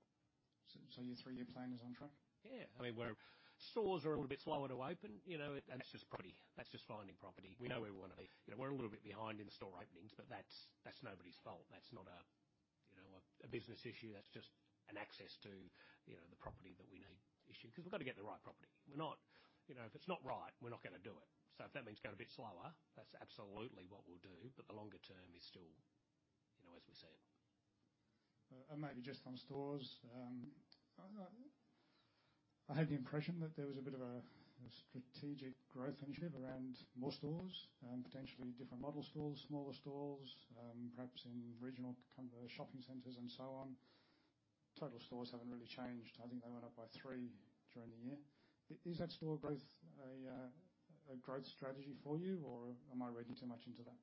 So, your three-year plan is on track? Yeah. I mean, our stores are a little bit slower to open, you know, and that's just property. That's just finding property. We know where we want to be. You know, we're a little bit behind in the store openings, but that's, that's nobody's fault. That's not a, you know, a, a business issue, that's just an access to, you know, the property that we need issue. 'Cause we've got to get the right property. We're not. You know, if it's not right, we're not gonna do it. So if that means going a bit slower, that's absolutely what we'll do, but the longer term is still, you know, as we said. Maybe just on stores. I had the impression that there was a bit of a strategic growth initiative around more stores and potentially different model stores, smaller stores, perhaps in regional kind of shopping centers and so on. Total stores haven't really changed. I think they went up by three during the year. Is that store growth a growth strategy for you, or am I reading too much into that?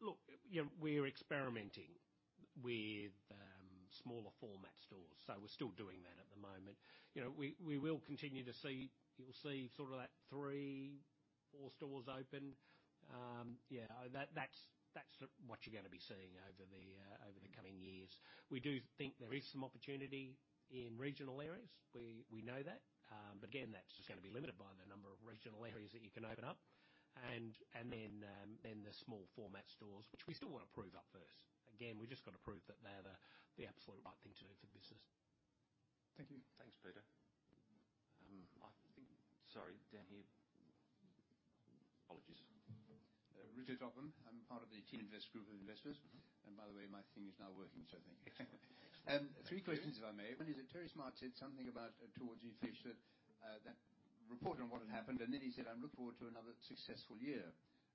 Look, yeah, we're experimenting with smaller format stores, so we're still doing that at the moment. You know, we will continue to see. You'll see sort of that 3-4 stores open. Yeah, that's what you're gonna be seeing over the coming years. We do think there is some opportunity in regional areas. We know that, but again, that's just gonna be limited by the number of regional areas that you can open up. And then the small format stores, which we still want to prove up first. Again, we've just got to prove that they're the absolute right thing to do for the business. Thank you. Thanks, Peter. Sorry, down here. Apologies. Richard Topham. I'm part of the Teaminvest group of investors, and by the way, my thing is now working, so thank you. Three questions, if I may. One is that Terry Smart said something about towards you, Steve, that report on what had happened, and then he said, "I look forward to another successful year."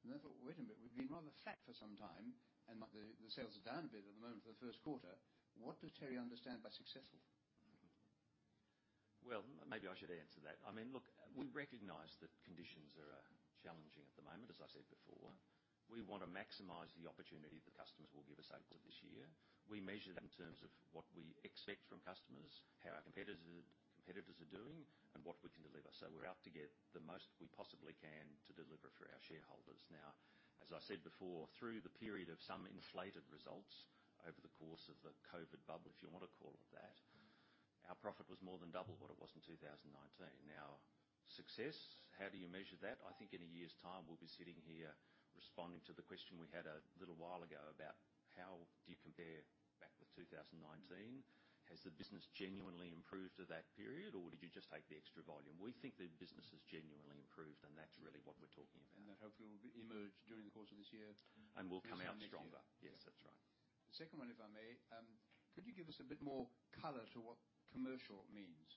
And then I thought, "Wait a minute, we've been rather flat for some time, and the sales are down a bit at the moment for the first quarter." What does Terry understand by successful? Well, maybe I should answer that. I mean, look, we recognize that conditions are challenging at the moment, as I said before. We want to maximize the opportunity the customers will give us over this year. We measure that in terms of what we expect from customers, how our competitors are, competitors are doing, and what we can deliver. So we're out to get the most we possibly can to deliver for our shareholders. Now, as I said before, through the period of some inflated results over the course of the COVID bubble, if you want to call it that, our profit was more than double what it was in 2019. Now, success, how do you measure that? I think in a year's time, we'll be sitting here responding to the question we had a little while ago about how do you compare back with 2019? Has the business genuinely improved over that period, or did you just take the extra volume? We think the business has genuinely improved, and that's really what we're talking about. That hopefully will be emerged during the course of this year. We'll come out stronger. Yes, that's right. The second one, if I may, could you give us a bit more color to what commercial means?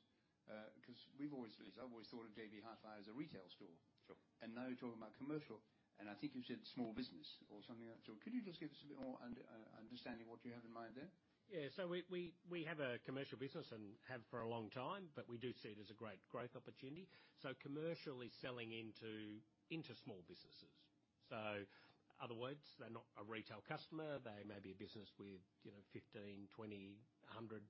Because we've always, at least I've always thought of JB Hi-Fi as a retail store. Sure. And now you're talking about commercial, and I think you said small business or something like that. So could you just give us a bit more understanding what you have in mind there? Yeah. So we have a commercial business and have for a long time, but we do see it as a great growth opportunity. So commercially selling into small businesses, in other words, they're not a retail customer. They may be a business with, you know, 15, 20, 100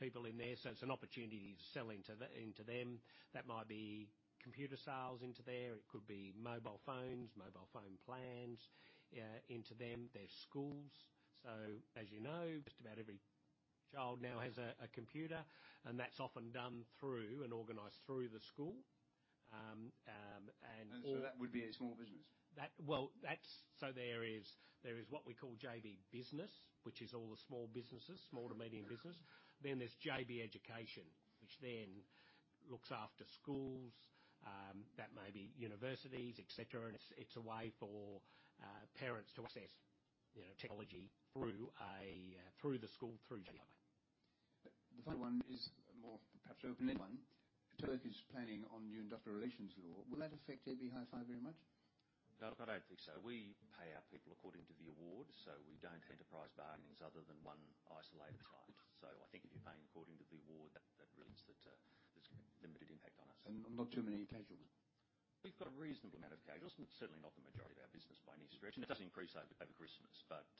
people in there. So it's an opportunity to sell into them. That might be computer sales into there, it could be mobile phones, mobile phone plans into them. There's schools. So, as you know, just about every child now has a computer, and that's often done through and organized through the school. And all- And so that would be a small business? Well, that's, so there is what we call JB Business, which is all the small businesses, small to medium business. Then there's JB Education, which looks after schools, that may be universities, et cetera, and it's a way for parents to access, you know, technology through the school, through JB. The final one is more perhaps an open-ended one. The Turk is planning on new industrial relations law. Will that affect JB Hi-Fi very much? No, I don't think so. We pay our people according to the award, so we don't enterprise bargain other than one isolated site. So I think if you're paying according to the award, that, that really is the, there's limited impact on us. Not too many casuals? We've got a reasonable amount of casuals, but certainly not the majority of our business by any stretch, and it does increase over Christmas. But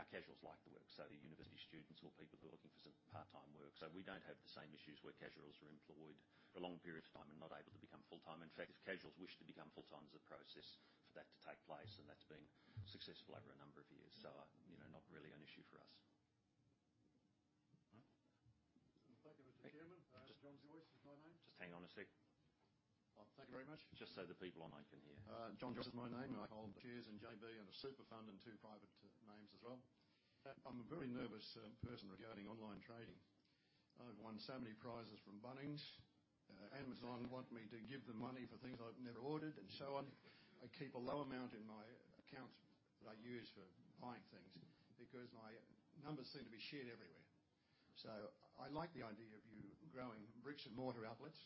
our casuals like the work, so the university students or people who are looking for some part-time work. So we don't have the same issues where casuals are employed for long periods of time and not able to become full-time. In fact, if casuals wish to become full-time, there's a process for that to take place, and that's been successful over a number of years. So, you know, not really an issue for us. All right. Thank you, Mr. Chairman. John Joyce is my name. Just hang on a sec. Thank you very much. Just so the people online can hear. John Joyce is my name. I hold shares in JB and a super fund and two private names as well. I'm a very nervous person regarding online trading. I've won so many prizes from Bunnings. Amazon want me to give them money for things I've never ordered, and so on. I keep a low amount in my account that I use for buying things, because my numbers seem to be shared everywhere. So I like the idea of you growing bricks-and-mortar outlets.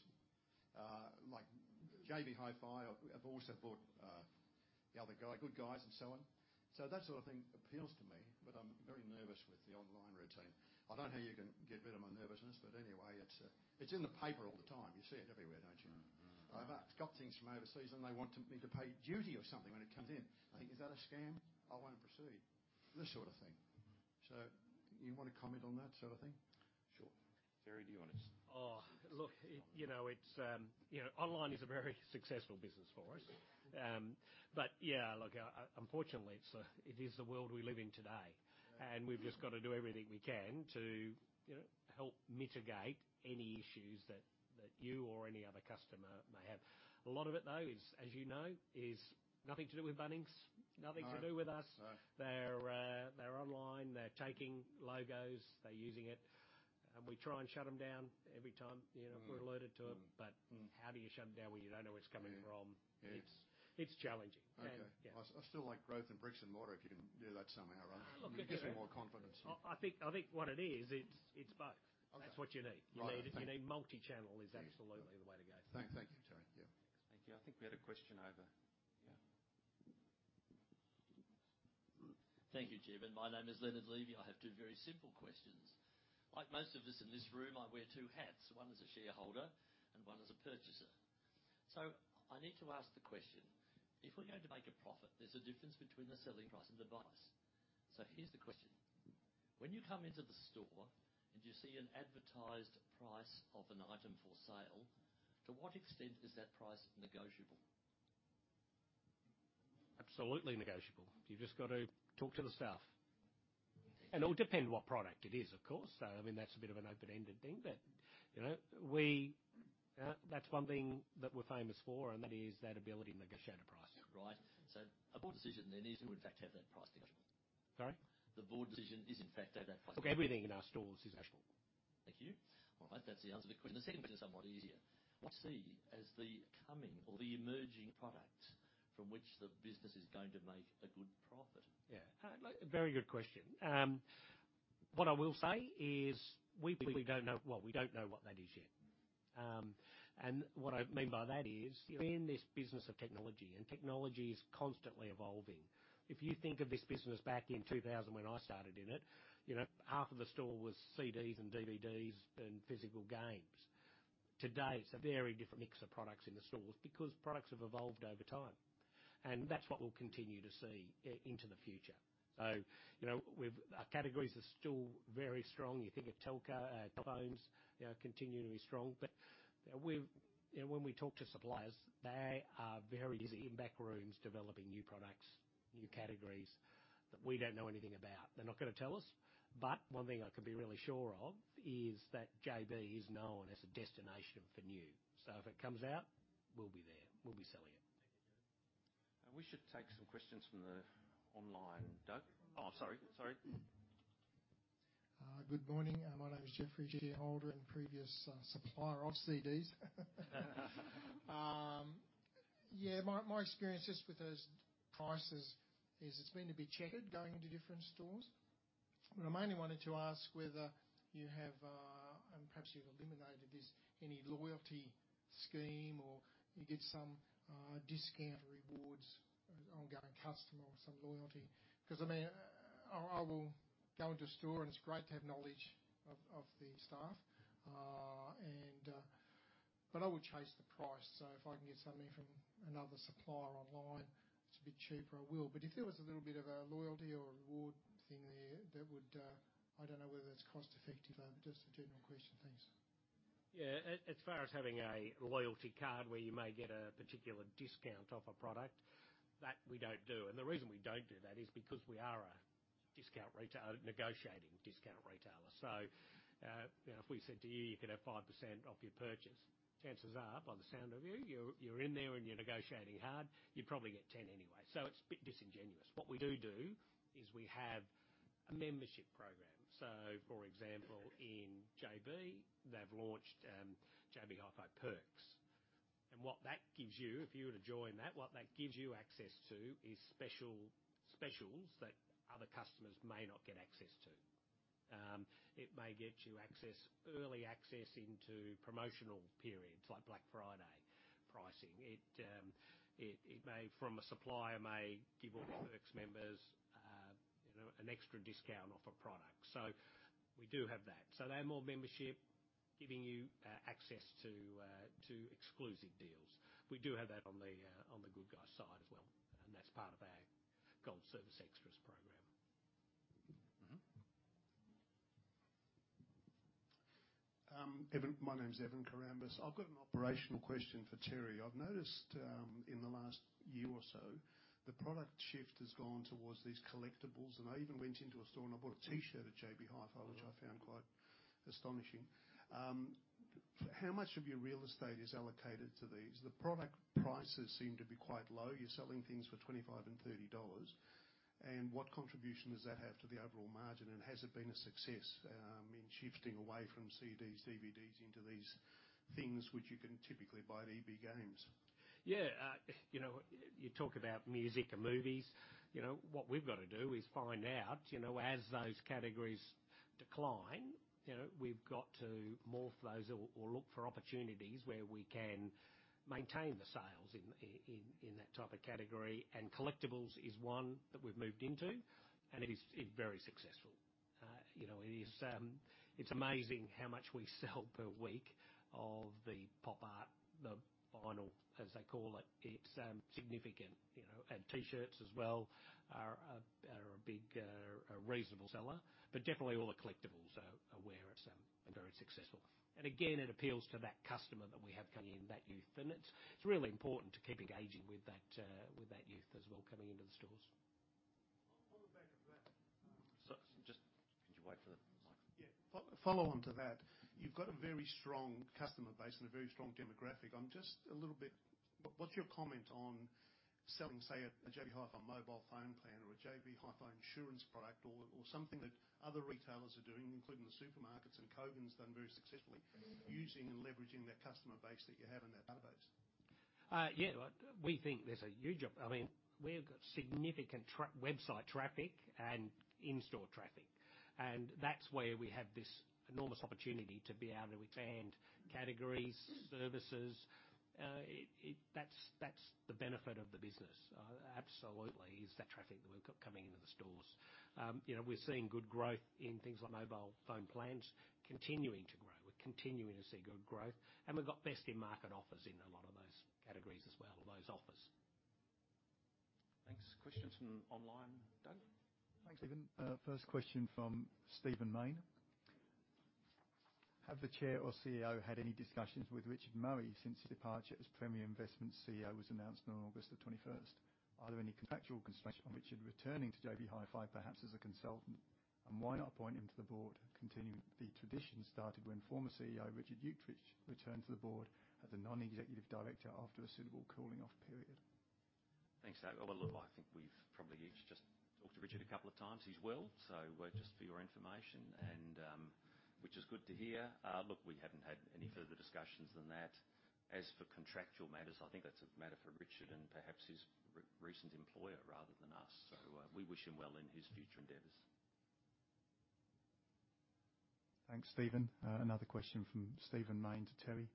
Like JB Hi-Fi, I've also bought the other guy, Good Guys, and so on. So that sort of thing appeals to me, but I'm very nervous with. I don't know how you can get rid of my nervousness, but anyway, it's, it's in the paper all the time. You see it everywhere, don't you? I've got things from overseas, and they want to me to pay duty or something when it comes in. I think, is that a scam? I want to proceed, this sort of thing. So you want to comment on that sort of thing? Sure. Terry, do you want to? Oh, look, you know, it's, you know, online is a very successful business for us. But yeah, look, unfortunately, it's the world we live in today. Right. We've just got to do everything we can to, you know, help mitigate any issues that you or any other customer may have. A lot of it, though, as you know, is nothing to do with Bunnings. No. Nothing to do with us. No. They're, they're online, they're taking logos, they're using it, and we try and shut them down every time, you know, we're alerted to it. But how do you shut them down when you don't know where it's coming from? Yeah. Yeah. It's challenging. Okay. And yeah. I still like growth and bricks and mortar if you can do that somehow, right? Look, yeah. It'll give me more confidence. I think what it is, it's both. Okay. That's what you need. Right. You need, you need multi-channel. Yeah Is absolutely the way to go. Thank you, Terry. Yeah. Thank you. I think we had a question over here. Thank you, Jim, and my name is Leonard Levy. I have two very simple questions. Like most of us in this room, I wear two hats, one as a shareholder and one as a purchaser. So I need to ask the question, if we're going to make a profit, there's a difference between the selling price and the buy price. So here's the question: When you come into the store and you see an advertised price of an item for sale, to what extent is that price negotiable? Absolutely negotiable. You've just got to talk to the staff. It'll depend what product it is, of course. I mean, that's a bit of an open-ended thing, but, you know, That's one thing that we're famous for, and that is that ability to negotiate a price. Right. So a board decision then is to, in fact, have that price negotiable? Sorry? The board decision is, in fact, to have that price. Look, everything in our stores is negotiable. Thank you. All right, that's the answer to the question. The second question is somewhat easier. What's the coming or the emerging product from which the business is going to make a good profit? Yeah, very good question. What I will say is we clearly don't know... Well, we don't know what that is yet. And what I mean by that is, you're in this business of technology, and technology is constantly evolving. If you think of this business back in 2000 when I started in it, you know, half of the store was CDs and DVDs and physical games. Today, it's a very different mix of products in the stores because products have evolved over time, and that's what we'll continue to see into the future. So, you know, our categories are still very strong. You think of telco, phones, you know, continue to be strong, but, we've, you know, when we talk to suppliers, they are very busy in back rooms, developing new products, new categories that we don't know anything about. They're not gonna tell us, but one thing I can be really sure of is that JB is known as a destination for new. So if it comes out, we'll be there. We'll be selling it. We should take some questions from the online, Doug. Oh, sorry, sorry. Good morning. My name is Jeffrey G. Holder and previous supplier of CDs. Yeah, my experience just with those prices is it's been a bit checkered going to different stores. But I mainly wanted to ask whether you have, and perhaps you've eliminated this, any loyalty scheme, or you get some discount rewards, ongoing customer or some loyalty? 'Cause, I mean, I will go into a store, and it's great to have knowledge of the staff, but I will chase the price. So if I can get something from another supplier online, it's a bit cheaper, I will. But if there was a little bit of a loyalty or reward thing there, that would... I don't know whether it's cost-effective or just a general question. Thanks. Yeah, as far as having a loyalty card where you may get a particular discount off a product, that we don't do. And the reason we don't do that is because we are a discount retail negotiating discount retailer. So, you know, if we said to you, "You could have 5% off your purchase," chances are, by the sound of you, you're in there, and you're negotiating hard, you'd probably get 10% anyway, so it's a bit disingenuous. What we do do is we have a membership program. So, for example, in JB, they've launched JB Hi-Fi Perks. And what that gives you, if you were to join that, what that gives you access to is special specials that other customers may not get access to. It may get you access, early access into promotional periods like Black Friday pricing. It may from a supplier give all the Perks members, you know, an extra discount off a product. So we do have that. So they're more membership, giving you access to exclusive deals. We do have that on the Good Guys side as well, and that's part of our Gold Service Xtra program. Evan, my name is Evan Charalambous. I've got an operational question for Terry. I've noticed, in the last year or so, the product shift has gone towards these collectibles, and I even went into a store, and I bought a T-shirt at JB Hi-Fi, which I found quite astonishing. How much of your real estate is allocated to these? The product prices seem to be quite low. You're selling things for 25 and 30 dollars, and what contribution does that have to the overall margin, and has it been a success in shifting away from CDs, DVDs into these things which you can typically buy at EB Games? Yeah, you know, you talk about music and movies. You know, what we've got to do is find out, you know, as those categories decline, you know, we've got to morph those or look for opportunities where we can maintain the sales in, in that type of category. And collectibles is one that we've moved into, and it is, it's very successful. You know, it is, it's amazing how much we sell per week of the pop art, the vinyl, as they call it. It's significant, you know, and T-shirts as well are a big, a reasonable seller, but definitely all the collectibles are where it's, are very successful. And again, it appeals to that customer that we have coming in, that youth, and it's, it's really important to keep engaging with that, with that youth as well, coming into the stores. On the back of that, Just could you wait for the mic? Yeah. Follow on to that, you've got a very strong customer base and a very strong demographic. I'm just a little bit. What's your comment on selling, say, a JB Hi-Fi mobile phone plan or a JB Hi-Fi insurance product or something that other retailers are doing, including the supermarkets, and Kogan's done very successfully, using and leveraging that customer base that you have in that database? Yeah, well, we think there's a huge, I mean, we've got significant website traffic and in-store traffic, and that's where we have this enormous opportunity to be able to expand categories, services. That's, that's the benefit of the business, absolutely, is that traffic that we've got coming into the stores. You know, we're seeing good growth in things like mobile phone plans continuing to grow. We're continuing to see good growth, and we've got best-in-market offers in a lot of those categories as well, or those offers. Thanks. Questions from online, Dave? Thanks, Stephen. First question from Stephen Mayne. Have the Chair or CEO had any discussions with Richard Murray since his departure as Premier Investments CEO was announced on August 21st? Are there any contractual constraints on Richard returning to JB Hi-Fi, perhaps as a consultant, and why not appoint him to the board, continuing the tradition started when former CEO Richard Uechtritz returned to the board as a non-executive director after a suitable cooling-off period? Thanks, Dave. Well, look, I think we've probably each just talked to Richard a couple of times. He's well, so just for your information, and which is good to hear. Look, we haven't had any further discussions than that. As for contractual matters, I think that's a matter for Richard and perhaps his recent employer rather than us. So, we wish him well in his future endeavors. Thanks, Stephen. Another question from Stephen Main to Terry: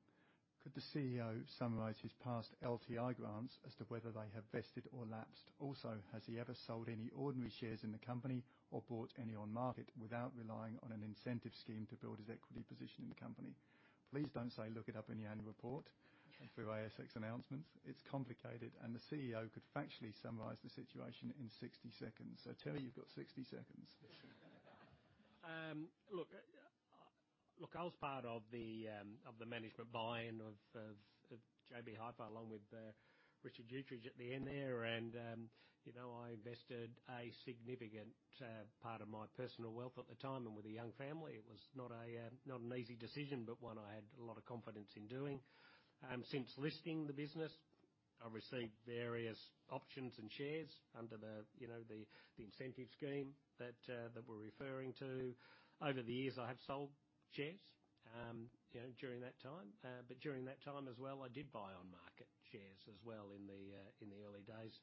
Could the CEO summarize his past LTI grants as to whether they have vested or lapsed? Also, has he ever sold any ordinary shares in the company or bought any on market without relying on an incentive scheme to build his equity position in the company? Please don't say, "Look it up in the annual report and through ASX announcements." It's complicated, and the CEO could factually summarize the situation in 60 seconds. So Terry, you've got 60 seconds. Look, I was part of the management buy-in of JB Hi-Fi, along with Richard Uechtritz at the end there. And, you know, I invested a significant part of my personal wealth at the time, and with a young family, it was not an easy decision, but one I had a lot of confidence in doing. Since listing the business, I've received various options and shares under the, you know, the incentive scheme that we're referring to. Over the years, I have sold shares, you know, during that time. But during that time as well, I did buy on-market shares as well in the early days.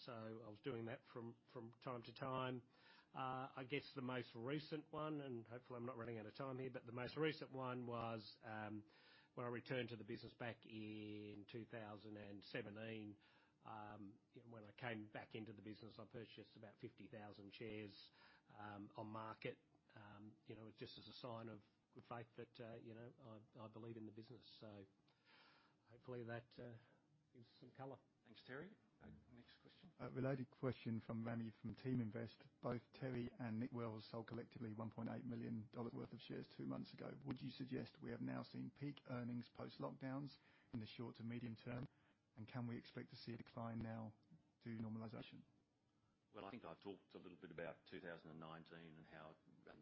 So I was doing that from time to time. I guess the most recent one, and hopefully I'm not running out of time here, but the most recent one was when I returned to the business back in 2017. When I came back into the business, I purchased about 50,000 shares on market, you know, just as a sign of good faith that, you know, I, I believe in the business. So hopefully that gives some color. Thanks, Terry. Next question. A related question from Manny, from Teaminvest. Both Terry and Nick Wells sold collectively 1.8 million dollars worth of shares two months ago. Would you suggest we have now seen peak earnings post-lockdowns in the short to medium term, and can we expect to see a decline now due to normalization? Well, I think I've talked a little bit about 2019 and how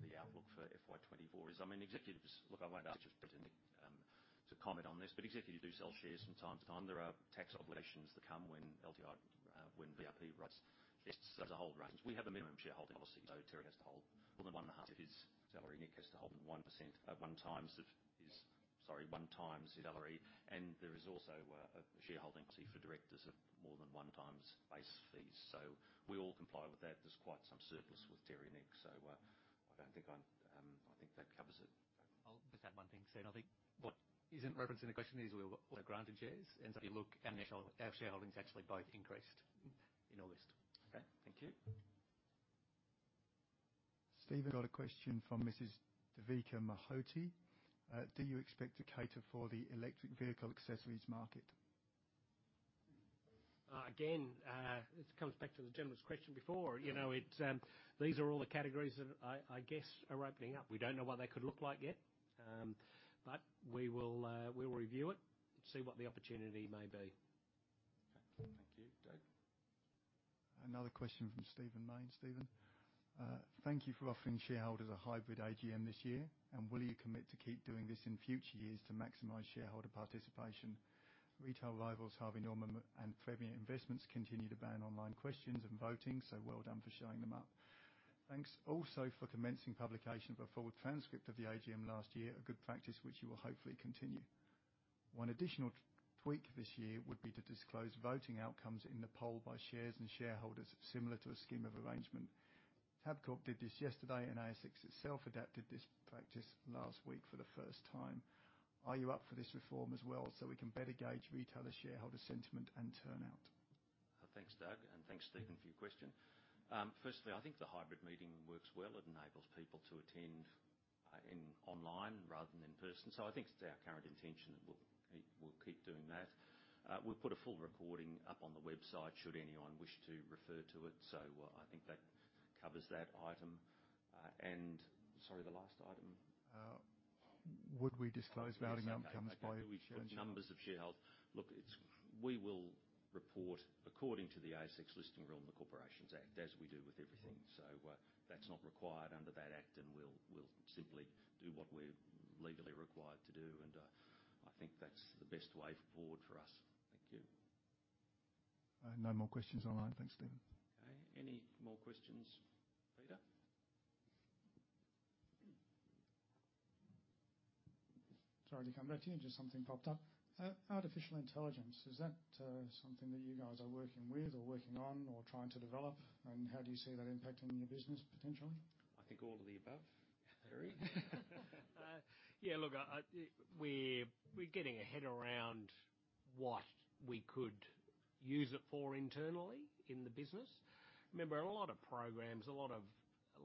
the outlook for FY 2024 is. I mean, executives. Look, I won't ask Richard or Nick to comment on this, but executives do sell shares from time to time. There are tax obligations that come when LTI, when VRP rights vest as a hold rights. We have a minimum shareholding policy, so Terry has to hold more than 1.5 of his salary. Nick has to hold 1% at 1 times of his... Sorry, 1 times his salary, and there is also a shareholding policy for directors of more than 1 times base fees. So we all comply with that. There's quite some surplus with Terry and Nick, so I don't think I'm, I think that covers it. I'll just add one thing, Steve. I think what isn't referenced in the question is we've also granted shares, and so if you look, our shareholdings actually both increased in August. Okay, thank you. Stephen, got a question from Mrs. Devika Mahoti. Do you expect to cater for the electric vehicle accessories market? Again, this comes back to the gentleman's question before. You know, it, these are all the categories that I, I guess, are opening up. We don't know what they could look like yet, but we will, we will review it and see what the opportunity may be. Okay. Thank you. Dave? Another question from Stephen Main. Stephen, thank you for offering shareholders a hybrid AGM this year, and will you commit to keep doing this in future years to maximize shareholder participation? Retail rivals Harvey Norman and Premier Investments continue to ban online questions and voting, so well done for showing them up. Thanks also for commencing publication of a full transcript of the AGM last year, a good practice which you will hopefully continue. One additional tweak this year would be to disclose voting outcomes in the poll by shares and shareholders, similar to a scheme of arrangement. Tabcorp did this yesterday, and ASX itself adapted this practice last week for the first time. Are you up for this reform as well, so we can better gauge retailer shareholder sentiment and turnout? Thanks, Doug, and thanks, Stephen, for your question. Firstly, I think the hybrid meeting works well. It enables people to attend in online rather than in person. So I think it's our current intention that we'll, we'll keep doing that. We'll put a full recording up on the website should anyone wish to refer to it, so I think that covers that item. And sorry, the last item? Would we disclose voting outcomes by- Okay, do we share the numbers of shareholders? Look, it's, we will report according to the ASX listing rule and the Corporations Act, as we do with everything. So, that's not required under that act, and we'll simply do what we're legally required to do, and I think that's the best way forward for us. Thank you. No more questions online. Thanks, Stephen. Okay, any more questions, Peter? Sorry to come back to you, just something popped up. Artificial intelligence, is that something that you guys are working with or working on or trying to develop? And how do you see that impacting your business potentially? I think all of the above. Terry? Yeah, look, we're getting our head around what we could use it for internally in the business. Remember, a lot of programs, a lot of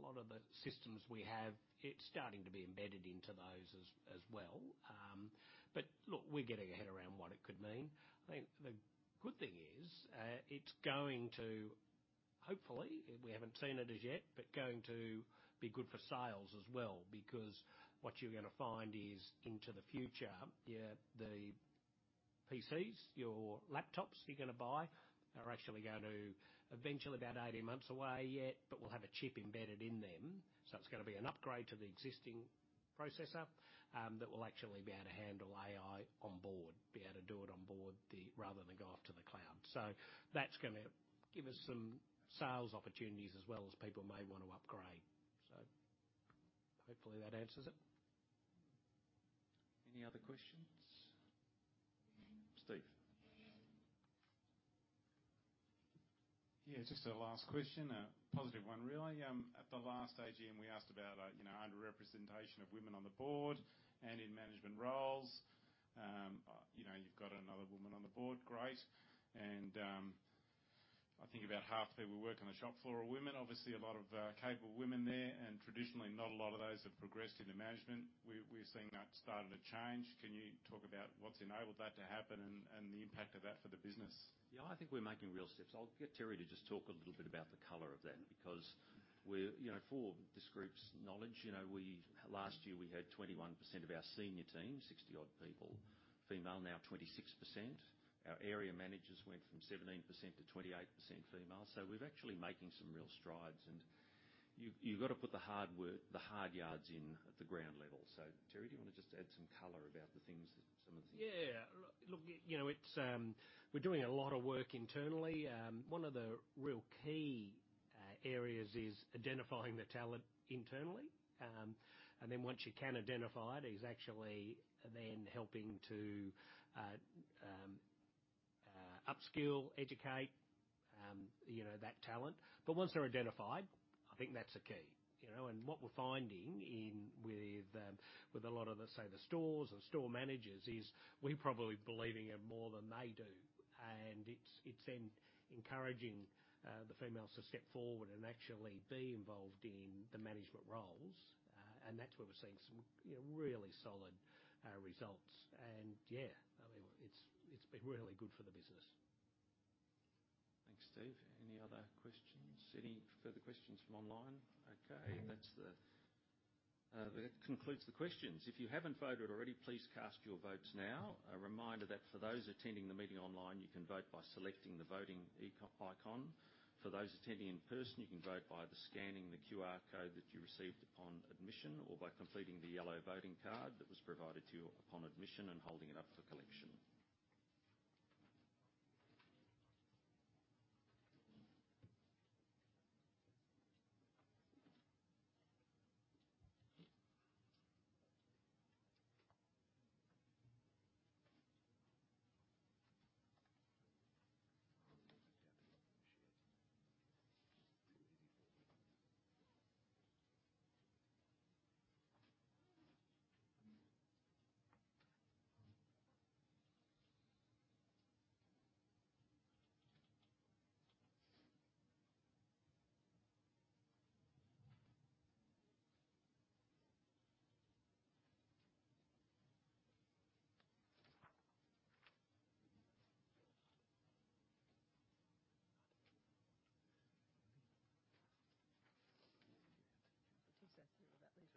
the systems we have, it's starting to be embedded into those as well. But look, we're getting our head around what it could mean. I think the good thing is, it's going to, hopefully, we haven't seen it as yet, but going to be good for sales as well, because what you're gonna find is, into the future, yeah, the PCs, your laptops you're gonna buy, are actually going to eventually, about 18 months away yet, but will have a chip embedded in them. So it's gonna be an upgrade to the existing processor, that will actually be able to handle AI on board, be able to do it on board the. rather than go off to the cloud. So that's gonna give us some sales opportunities as well, as people may want to upgrade. So hopefully that answers it. Any other questions? Steve. Yeah, just a last question, a positive one, really. At the last AGM, we asked about, you know, underrepresentation of women on the board and in management roles. You know, you've got another woman on the board, great. I think about half the people who work on the shop floor are women, obviously a lot of capable women there, and traditionally not a lot of those have progressed into management. We're seeing that starting to change. Can you talk about what's enabled that to happen and the impact of that for the business? Yeah, I think we're making real steps. I'll get Terry to just talk a little bit about the color of that, because we're. You know, for this group's knowledge, you know, we, last year, we had 21% of our senior team, 60-odd people, female, now 26%. Our area managers went from 17% to 28% female. So we're actually making some real strides, and you've, you've got to put the hard work, the hard yards in at the ground level. So Terry, do you want to just add some color about the things that, some of the- Yeah. Look, you know, we're doing a lot of work internally. One of the real key areas is identifying the talent internally. And then once you can identify it, is actually then helping to upskill, educate, you know, that talent. But once they're identified, I think that's the key, you know? And what we're finding with a lot of, say, the stores and store managers, is we're probably believing it more than they do. And it's encouraging the females to step forward and actually be involved in the management roles. And that's where we're seeing some, you know, really solid results. And yeah, I mean, it's been really good for the business. Thanks, Steve. Any other questions? Any further questions from online? Okay, that concludes the questions. If you haven't voted already, please cast your votes now. A reminder that for those attending the meeting online, you can vote by selecting the voting eco- icon. For those attending in person, you can vote by the scanning the QR code that you received upon admission or by completing the yellow voting card that was provided to you upon admission and holding it up for collection.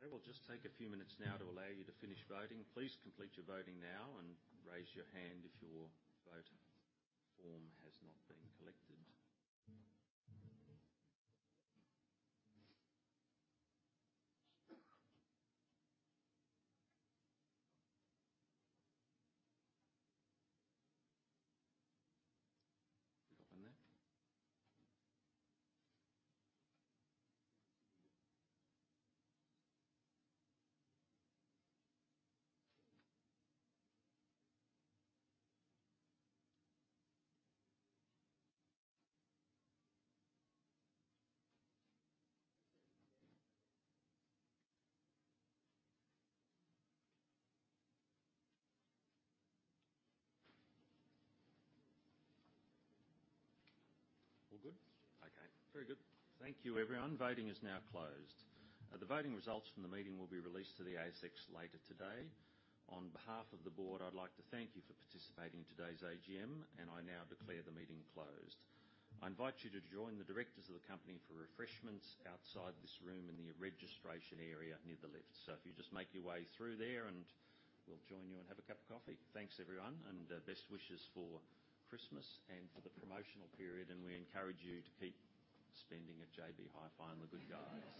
Okay, we'll just take a few minutes now to allow you to finish voting. Please complete your voting now and raise your hand if your vote form has not been collected. All good? Okay, very good. Thank you, everyone. Voting is now closed. The voting results from the meeting will be released to the ASX later today. On behalf of the board, I'd like to thank you for participating in today's AGM, and I now declare the meeting closed. I invite you to join the directors of the company for refreshments outside this room in the registration area near the lifts. So if you just make your way through there, and we'll join you and have a cup of coffee. Thanks, everyone, and best wishes for Christmas and for the promotional period, and we encourage you to keep spending at JB Hi-Fi on The Good Guys.